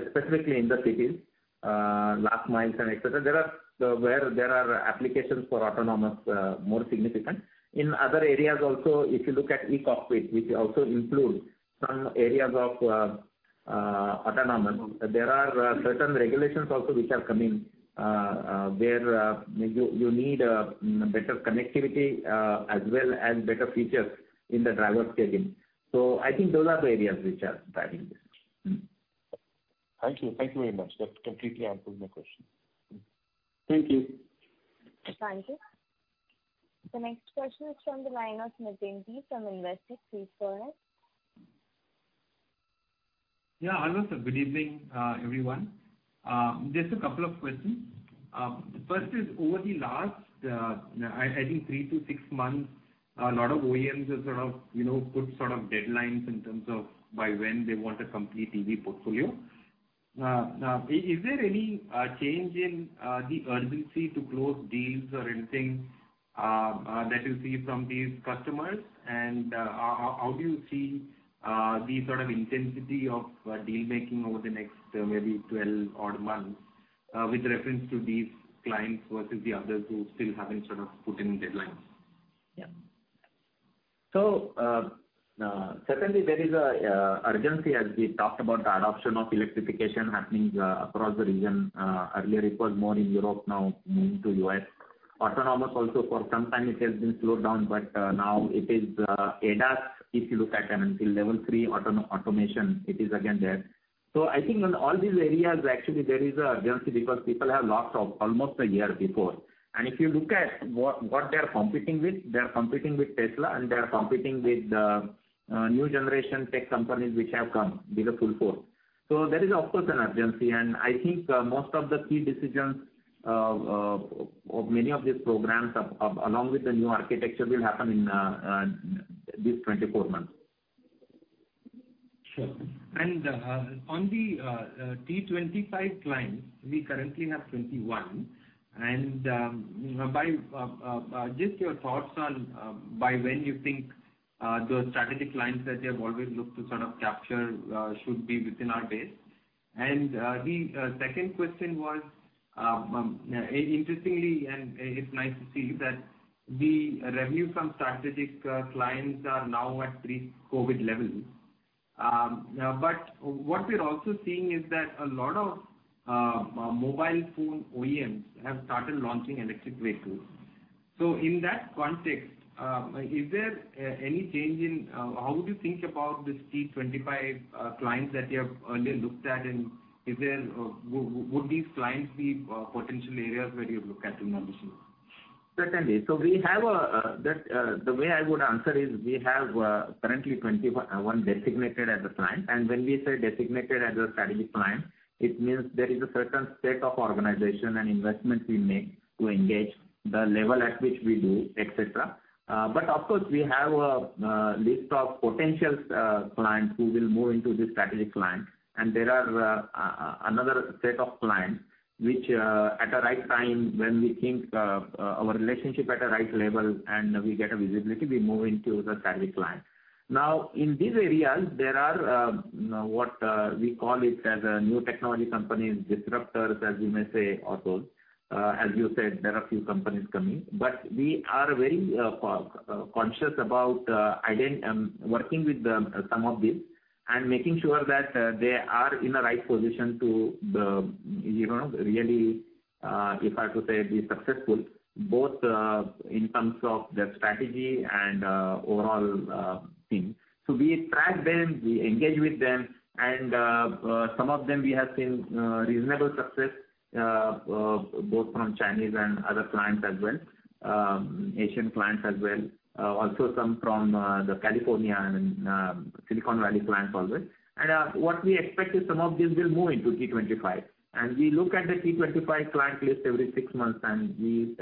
especially in the cities, last miles and et cetera, there are applications for autonomous more significant. In other areas also, if you look at e-cockpit, which also includes some areas of autonomous. There are certain regulations also which are coming, where you need better connectivity as well as better features in the driver's cabin. I think those are the areas which are driving this. Thank you. Thank you very much. That completely answers my question. Thank you. Thank you. The next question is from the line of Nitin Padmanabhan from Investec. Please go ahead. Yeah, hello sir. Good evening, everyone. Just a couple of questions. First is, over the last, I think three to six months, a lot of OEMs have put deadlines in terms of by when they want a complete EV portfolio. Is there any change in the urgency to close deals or anything that you see from these customers? How do you see the intensity of deal-making over the next maybe 12 odd months with reference to these clients versus the others who still haven't put in deadlines? Certainly there is urgency as we talked about the adoption of electrification happening across the region. Earlier it was more in Europe, now moving to U.S. Autonomous also for some time it has been slowed down, but now it is ADAS. If you look at until level three automation, it is again there. I think on all these areas, actually, there is urgency because people have lost almost a year before. If you look at what they're competing with, they're competing with Tesla, and they're competing with new generation tech companies which have come with a full force. There is, of course, an urgency, and I think most of the key decisions of many of these programs, along with the new architecture, will happen in these 24 months. Sure. On the T25 clients, we currently have 21. Just your thoughts on by when you think those strategic clients that you have always looked to capture should be within our base. The second question was, interestingly, and it's nice to see that the revenue from strategic clients are now at pre-COVID levels. What we're also seeing is that a lot of mobile phone OEMs have started launching electric vehicles. In that context, how would you think about these T25 clients that you have earlier looked at, and would these clients be potential areas where you look at the numbers? Certainly. The way I would answer is we have currently 21 designated as a client. When we say designated as a strategic client, it means there is a certain state of organization and investment we make to engage the level at which we do, et cetera. Of course, we have a list of potential clients who will move into the strategic client. There are another set of clients, which at the right time, when we think our relationship at a right level and we get a visibility, we move into the strategic client. Now, in these areas, there are what we call it as a new technology company, disruptors, as you may say, or those. As you said, there are few companies coming. We are very conscious about working with some of these and making sure that they are in the right position to really, if I could say, be successful, both in terms of their strategy and overall thing. We track them, we engage with them, and some of them we have seen reasonable success, both from Chinese and other clients as well, Asian clients as well. Also some from the California and Silicon Valley clients also. What we expect is some of these will move into T25. We look at the T25 client list every six months, and we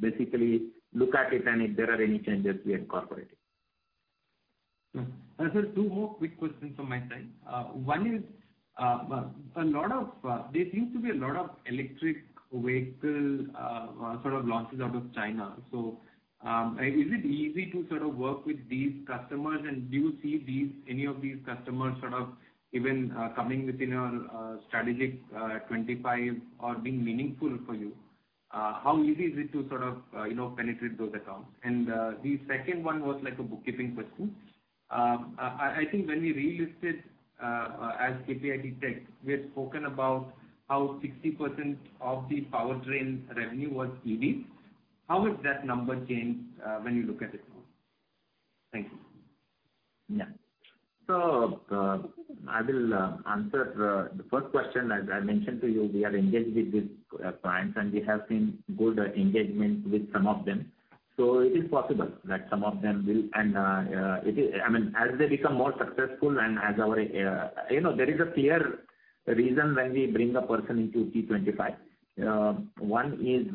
basically look at it, and if there are any changes, we incorporate it. Sir, two more quick questions from my side. One is, there seems to be a lot of electric vehicle launches out of China. Is it easy to work with these customers, and do you see any of these customers even coming within your strategic 25 or being meaningful for you? How easy is it to penetrate those accounts? The second one was like a bookkeeping question. I think when we relisted as KPIT Tech, we had spoken about how 60% of the powertrain revenue was EV. How has that number changed when you look at it now? Thank you. Yeah. I will answer the first question. As I mentioned to you, we are engaged with these clients, and we have seen good engagement with some of them. It is possible that some of them will. As they become more successful and there is a clear reason when we bring a person into T25. One is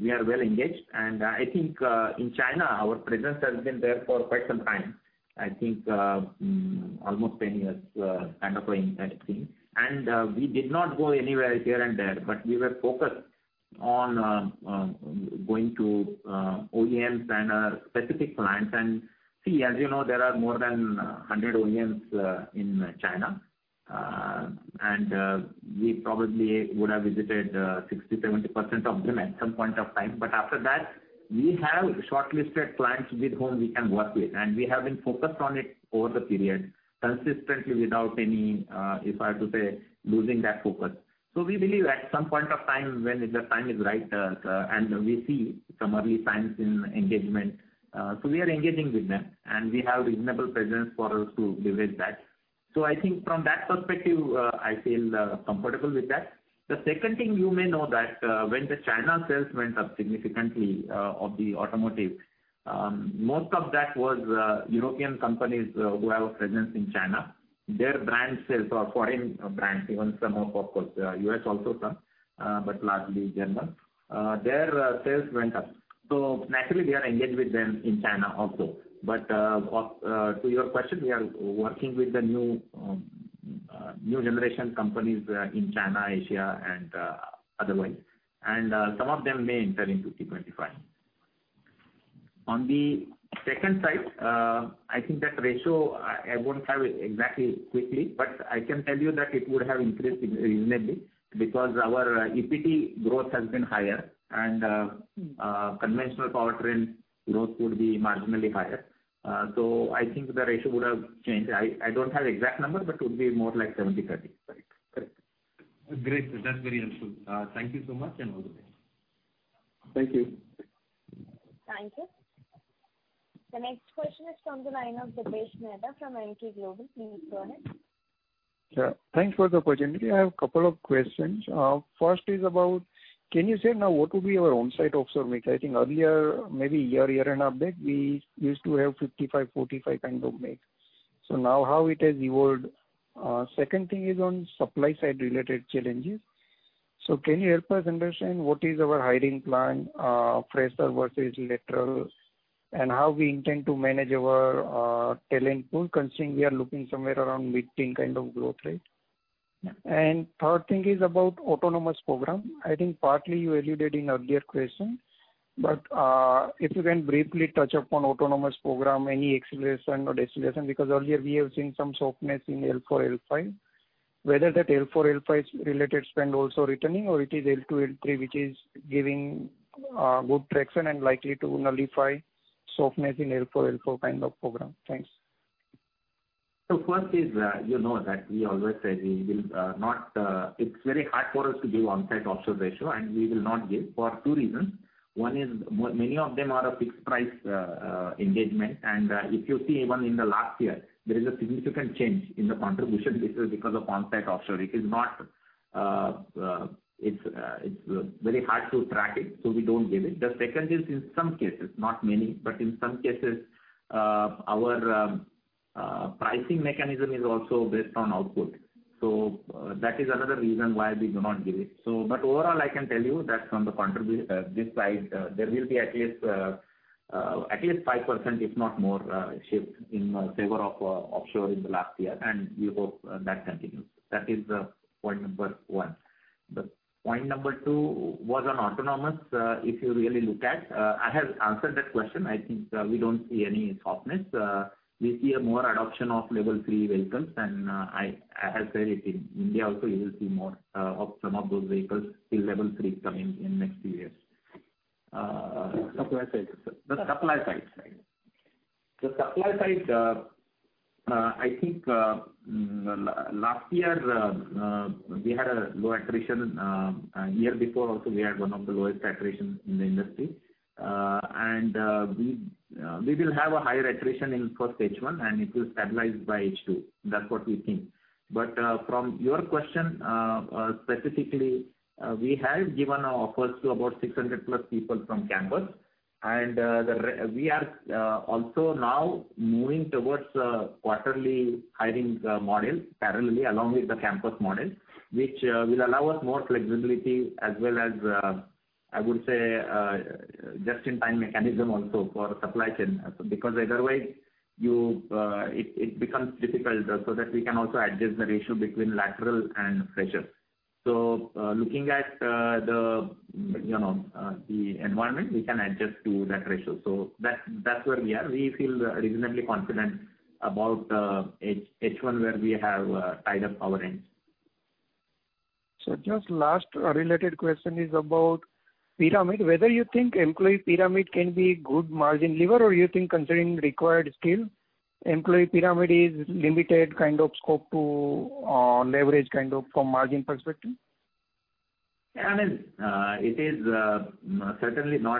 we are well engaged, and I think in China, our presence has been there for quite some time, I think almost 10 years kind of a thing. We did not go anywhere here and there, but we were focused on going to OEMs and specific clients. See, as you know, there are more than 100 OEMs in China, and we probably would have visited 60%-70% of them at some point of time. After that, we have shortlisted clients with whom we can work with, and we have been focused on it over the period consistently without any, if I have to say, losing that focus. We believe at some point of time, when the time is right, and we see some early signs in engagement, we are engaging with them, and we have reasonable presence for us to leverage that. I think from that perspective, I feel comfortable with that. The second thing, you may know that when the China sales went up significantly of the automotive, most of that was European companies who have a presence in China. Their brand sales or foreign brands, even some of course, U.S. also some, but largely German, went up. Naturally, we are engaged with them in China also. To your question, we are working with the new generation companies in China, Asia, and otherwise. Some of them may enter into T25. On the second side, I think that ratio, I won't have it exactly quickly, but I can tell you that it would have increased reasonably because our EPT growth has been higher and conventional powertrain growth would be marginally higher. I think the ratio would have changed. I don't have exact number, but it would be more like 70/30. Correct. Great. That's very helpful. Thank you so much, and have a good day. Thank you. Thank you. The next question is from the line of Dipesh Mehta from Emkay Global. Please go ahead. Yeah. Thanks for the opportunity. I have a couple of questions. First is about, can you say now what would be your onsite offshore mix? I think earlier, maybe a year and a half back, we used to have 55/45 kind of mix. Now how it has evolved? Second thing is on supply side related challenges. Can you help us understand what is our hiring plan, fresher versus laterals, and how we intend to manage our talent pool, considering we are looking somewhere around mid-teen kind of growth rate? Third thing is about autonomous program. I think partly you alluded in earlier question, but if you can briefly touch upon autonomous program, any acceleration or deceleration, because earlier we have seen some softness in L4, L5. Whether that L4, L5 related spend also returning or it is L2, L3 which is giving good traction and likely to nullify softness in L4 kind of program? Thanks. First is, you know that we always say it's very hard for us to give onsite offshore ratio, and we will not give for two reasons. One is many of them are a fixed price engagement, and if you see even in the last year, there is a significant change in the contribution. This is because of onsite offshore. It's very hard to track it, so we don't give it. The second is in some cases, not many, but in some cases our pricing mechanism is also based on output. That is another reason why we do not give it. Overall, I can tell you that from this side, there will be at least 5%, if not more, shift in favor of offshore in the last year, and we hope that continues. That is point number one. The point number two was on autonomous. If you really look at, I have answered that question. I think we don't see any softness. We see a more adoption of level three vehicles, I have said it, in India also, you will see more of some of those vehicles, the level three coming in next few years. Supply side, sir. The supply side. The supply side, I think last year, we had a low attrition. A year before also, we had one of the lowest attritions in the industry. We will have a higher attrition in first H1, and it will stabilize by H2. That's what we think. From your question, specifically, we have given offers to about 600 plus people from campus. We are also now moving towards quarterly hiring model parallelly, along with the campus model, which will allow us more flexibility as well as, I would say, just-in-time mechanism also for supply chain. Either way, it becomes difficult, so that we can also adjust the ratio between lateral and fresher. Looking at the environment, we can adjust to that ratio. That's where we are. We feel reasonably confident about H1 where we have tied up our ends. Just last related question is about pyramid, whether you think employee pyramid can be good margin lever, or you think considering required skill, employee pyramid is limited kind of scope to leverage from margin perspective? It is not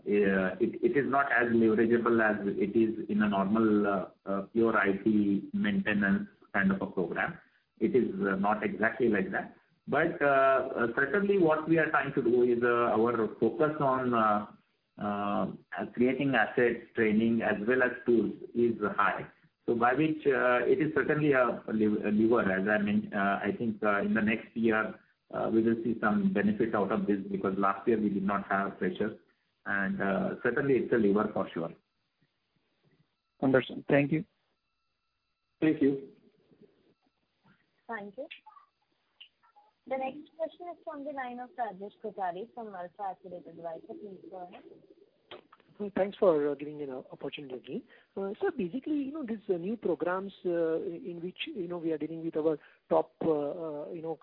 as leverageable as it is in a normal pure IT maintenance kind of a program. It is not exactly like that. Certainly, what we are trying to do is our focus on creating assets, training, as well as tools is high. By which it is certainly a lever, as I think in the next year, we will see some benefit out of this, because last year we did not have freshers. Certainly, it's a lever for sure. Understood. Thank you. Thank you. Thank you. The next question is from the line of Rajesh Kothari from AlfAccurate Advisors. Please go ahead. Thanks for giving an opportunity. Sir, basically, these new programs in which we are dealing with our top 20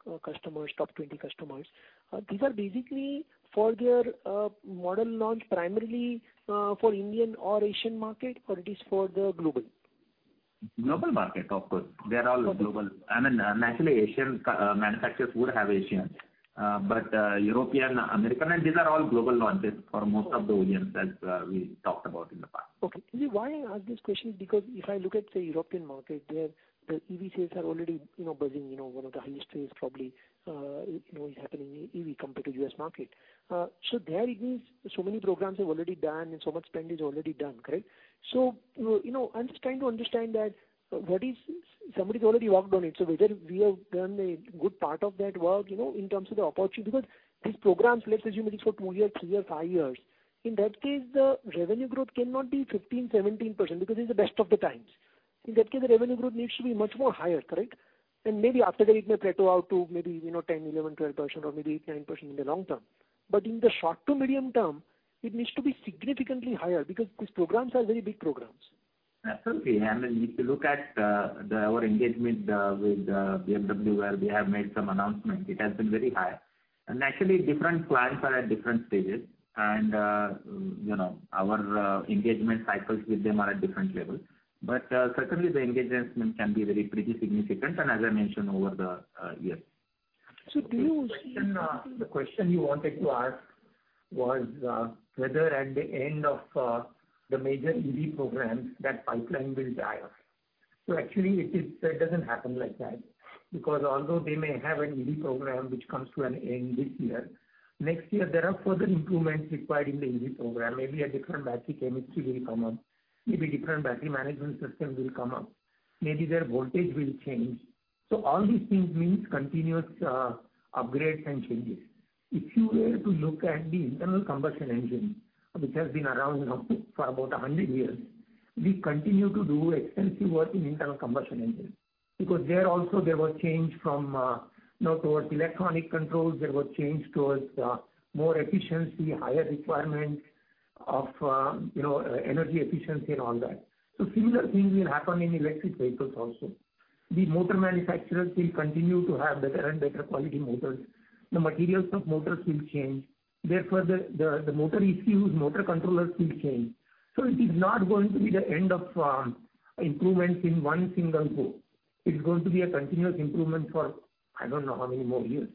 customers. These are basically for their model launch primarily, for Indian or Asian market, or it is for the global? Global market, of course. They are all global. Naturally, Asian manufacturers would have Asian, but European, American, and these are all global launches for most of the OEMs as we talked about in the past. Okay. Why I ask this question is because if I look at, say, European market, their EV sales are already buzzing, one of the highest sales probably is happening in EV compared to U.S. market. There it means so many programs are already done and so much spend is already done, correct? I'm just trying to understand that somebody's already worked on it, so whether we have done a good part of that work in terms of the opportunity. These programs, let's assume it is for two years, three years, five years. In that case, the revenue growth cannot be 15%, 17%, because this is the best of the times. In that case, the revenue growth needs to be much more higher, correct? Maybe after that it may plateau out to maybe 10%, 11%, 12%, or maybe 8%, 9% in the long term. In the short to medium term, it needs to be significantly higher because these programs are very big programs. Absolutely. If you look at our engagement with BMW where we have made some announcement, it has been very high. Naturally, different clients are at different stages, and our engagement cycles with them are at different levels. Certainly, the engagement can be very pretty significant, and as I mentioned over the years. So do you see The question you wanted to ask was whether at the end of the major EV programs, that pipeline will die off. Actually, it doesn't happen like that. Although they may have an EV program which comes to an end this year, next year, there are further improvements required in the EV program. Maybe a different battery chemistry will come up, maybe different battery management system will come up. Maybe their voltage will change. All these things means continuous upgrades and changes. If you were to look at the internal combustion engine, which has been around now for about 100 years, we continue to do extensive work in internal combustion engine. There also, there was change from towards electronic controls, there was change towards more efficiency, higher requirement of energy efficiency and all that. Similar things will happen in electric vehicles also. The motor manufacturers will continue to have better and better quality motors. The materials of motors will change. Therefore, the motor ECUs, motor controllers will change. It is not going to be the end of improvements in one single go. It's going to be a continuous improvement for I don't know how many more years.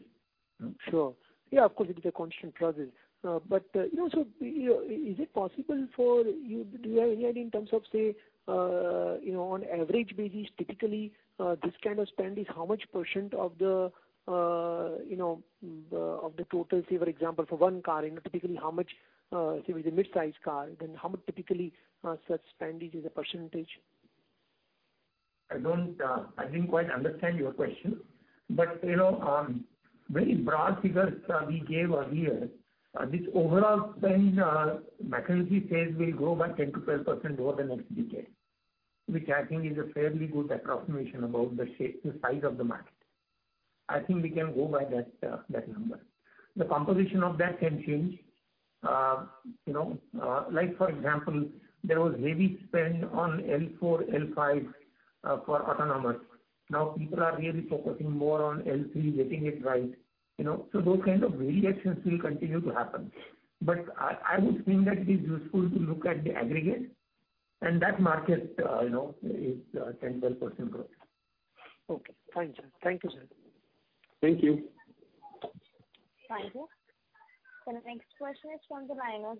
Sure. Yeah, of course, it is a constant process. Sir, is it possible for you, do you have any idea in terms of, say, on average basis, typically, this kind of spend is how much percent of the total, say, for example, for one car, typically, how much, say, with the midsize car, then how much typically such spend is as a percentage? I didn't quite understand your question. Very broad figures we gave earlier, this overall spend on technology phase will grow by 10%-12% over the next decade, which I think is a fairly good approximation about the size of the market. I think we can go by that number. The composition of that can change. Like for example, there was heavy spend on L4, L5 for autonomous. Now people are really focusing more on L3, getting it right. Those kind of variations will continue to happen. I would think that it is useful to look at the aggregate, and that market is 10%, 12% growth. Okay. Thank you, sir. Thank you. Thank you. The next question is from the line of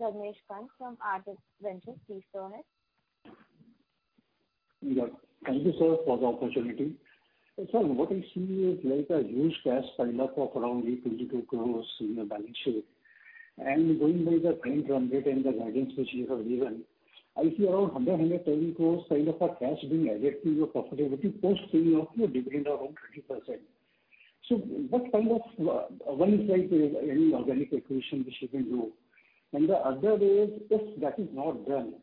Jignesh Panchal from Axis Capital. Please go ahead. Yeah. Thank you, sir, for the opportunity. Sir, what I see is like a huge cash pileup of around INR 22 crores in your balance sheet. Going by the trend from it and the guidance which you have given, I see around INR 100 crores-INR 130 crores pile up of cash being added to your profitability post paying off your debt around 30%. One is like any organic acquisition which you can do, and the other is if that is not done,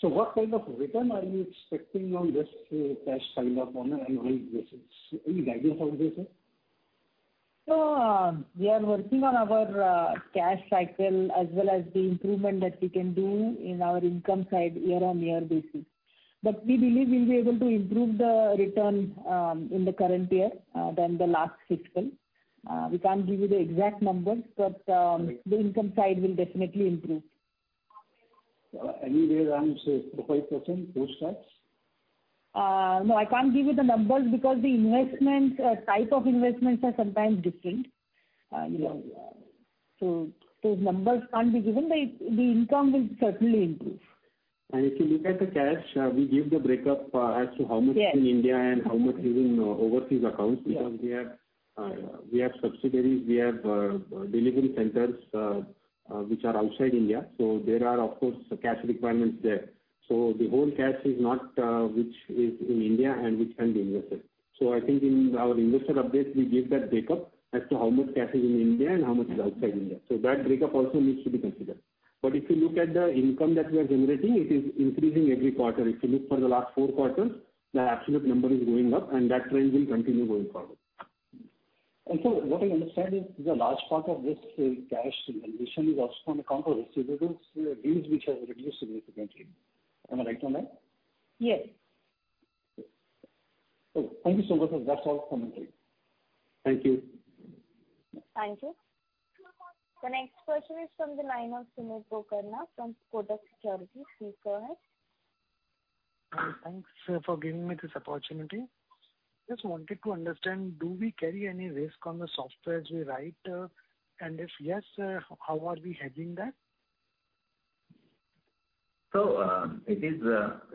so what kind of return are you expecting on this cash pileup on an annual basis? Any guidance on this sir? We are working on our cash cycle as well as the improvement that we can do in our income side year on year basis. We believe we'll be able to improve the return in the current year than the last fiscal. We can't give you the exact numbers, but the income side will definitely improve. Anywhere around, say, 4%, 5% post-tax? No, I can't give you the numbers because the type of investments are sometimes different. Those numbers can't be given. The income will certainly improve. If you look at the cash, we give the breakup as to how much- Yes in India and how much is in overseas accounts. Yes. We have subsidiaries, we have delivery centers which are outside India. There are, of course, cash requirements there. The whole cash is not which is in India and which can be invested. I think in our investor update, we give that breakup as to how much cash is in India and how much is outside India. That breakup also needs to be considered. If you look at the income that we are generating, it is increasing every quarter. If you look for the last four quarters, the absolute number is going up and that trend will continue going forward. What I understand is the large part of this cash utilization is also on account of receivables days which have reduced significantly. Am I right on that? Yes. Okay. Thank you so much, sir. That's all commentary. Thank you. Thank you. The next question is from the line of Sumit Pokharna from Kotak Securities. Please go ahead. Thanks for giving me this opportunity. Just wanted to understand, do we carry any risk on the software as we write? If yes, how are we hedging that? It is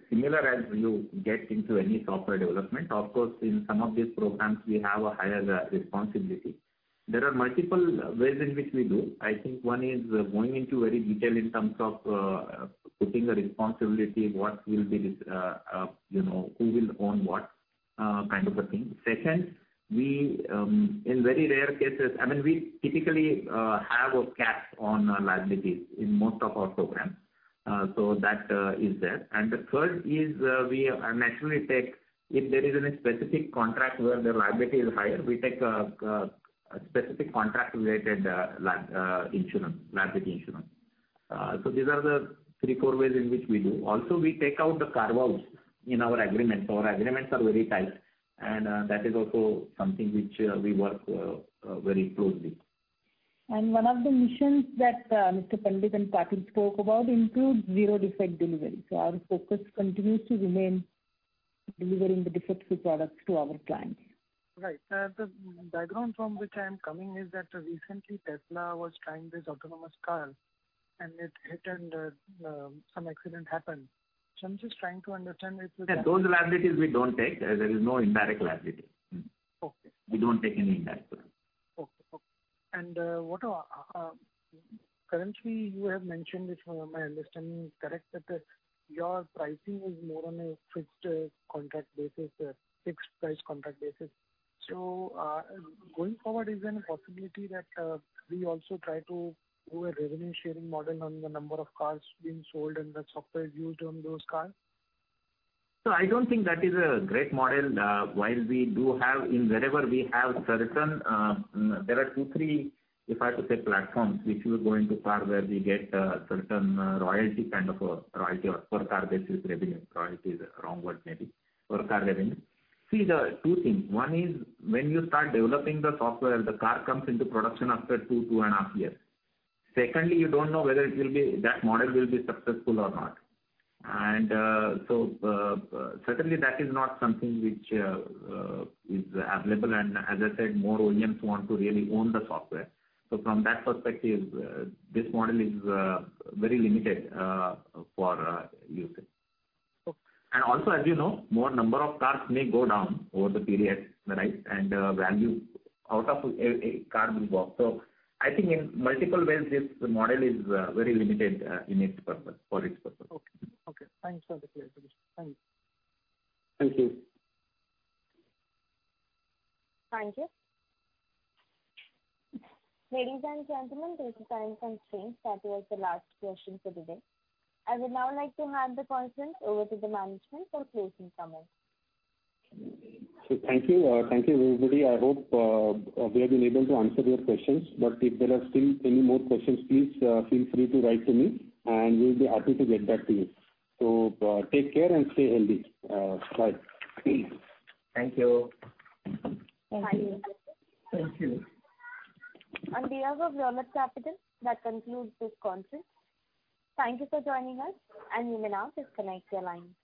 similar as you get into any software development. Of course, in some of these programs, we have a higher responsibility. There are multiple ways in which we do. I think one is going into very detail in terms of putting the responsibility, who will own what, kind of a thing. Second, in very rare cases, we typically have a cap on our liabilities in most of our programs. That is there. The third is, we naturally take, if there is any specific contract where the liability is higher, we take a specific contract-related liability insurance. These are the three, four ways in which we do. We take out the carve-outs in our agreements. Our agreements are very tight, and that is also something which we work very closely. One of the missions that Mr. Pandit and Patil spoke about includes zero defect delivery. Our focus continues to remain delivering the defect-free products to our clients. Right. The background from which I'm coming is that recently Tesla was trying this autonomous car, and it hit and some accident happened. I'm just trying to understand if- Those liabilities we don't take. There is no indirect liability. Okay. We don't take any indirect liability. Okay. Currently, you have mentioned, if my understanding is correct, that your pricing is more on a fixed price contract basis. Going forward, is there any possibility that we also try to do a revenue sharing model on the number of cars being sold and the software used on those cars? No, I don't think that is a great model. While we do have in wherever we have two, three, if I have to say, platforms which we're going to car where we get certain royalty or per car basis revenue. Royalty is a wrong word, maybe. Per car revenue. See, there are two things. One is when you start developing the software, the car comes into production after two and a half years. Secondly, you don't know whether that model will be successful or not. Certainly that is not something which is available and as I said, more OEMs want to really own the software. From that perspective, this model is very limited for usage. Okay. Also as you know, more number of cars may go down over the period, and value out of a car will go up. I think in multiple ways, this model is very limited for its purpose. Okay. Thanks for the clarity. Thank you. Thank you. Thank you. Ladies and gentlemen, due to time constraints, that was the last question for today. I would now like to hand the conference over to the management for closing comments. Thank you. Thank you, everybody. I hope we have been able to answer your questions. If there are still any more questions, please feel free to write to me, and we'll be happy to get back to you. Take care and stay healthy. Bye. Thank you. Thank you. Thank you. On behalf of Dolat Capital, that concludes this conference. Thank you for joining us, and you may now disconnect your lines.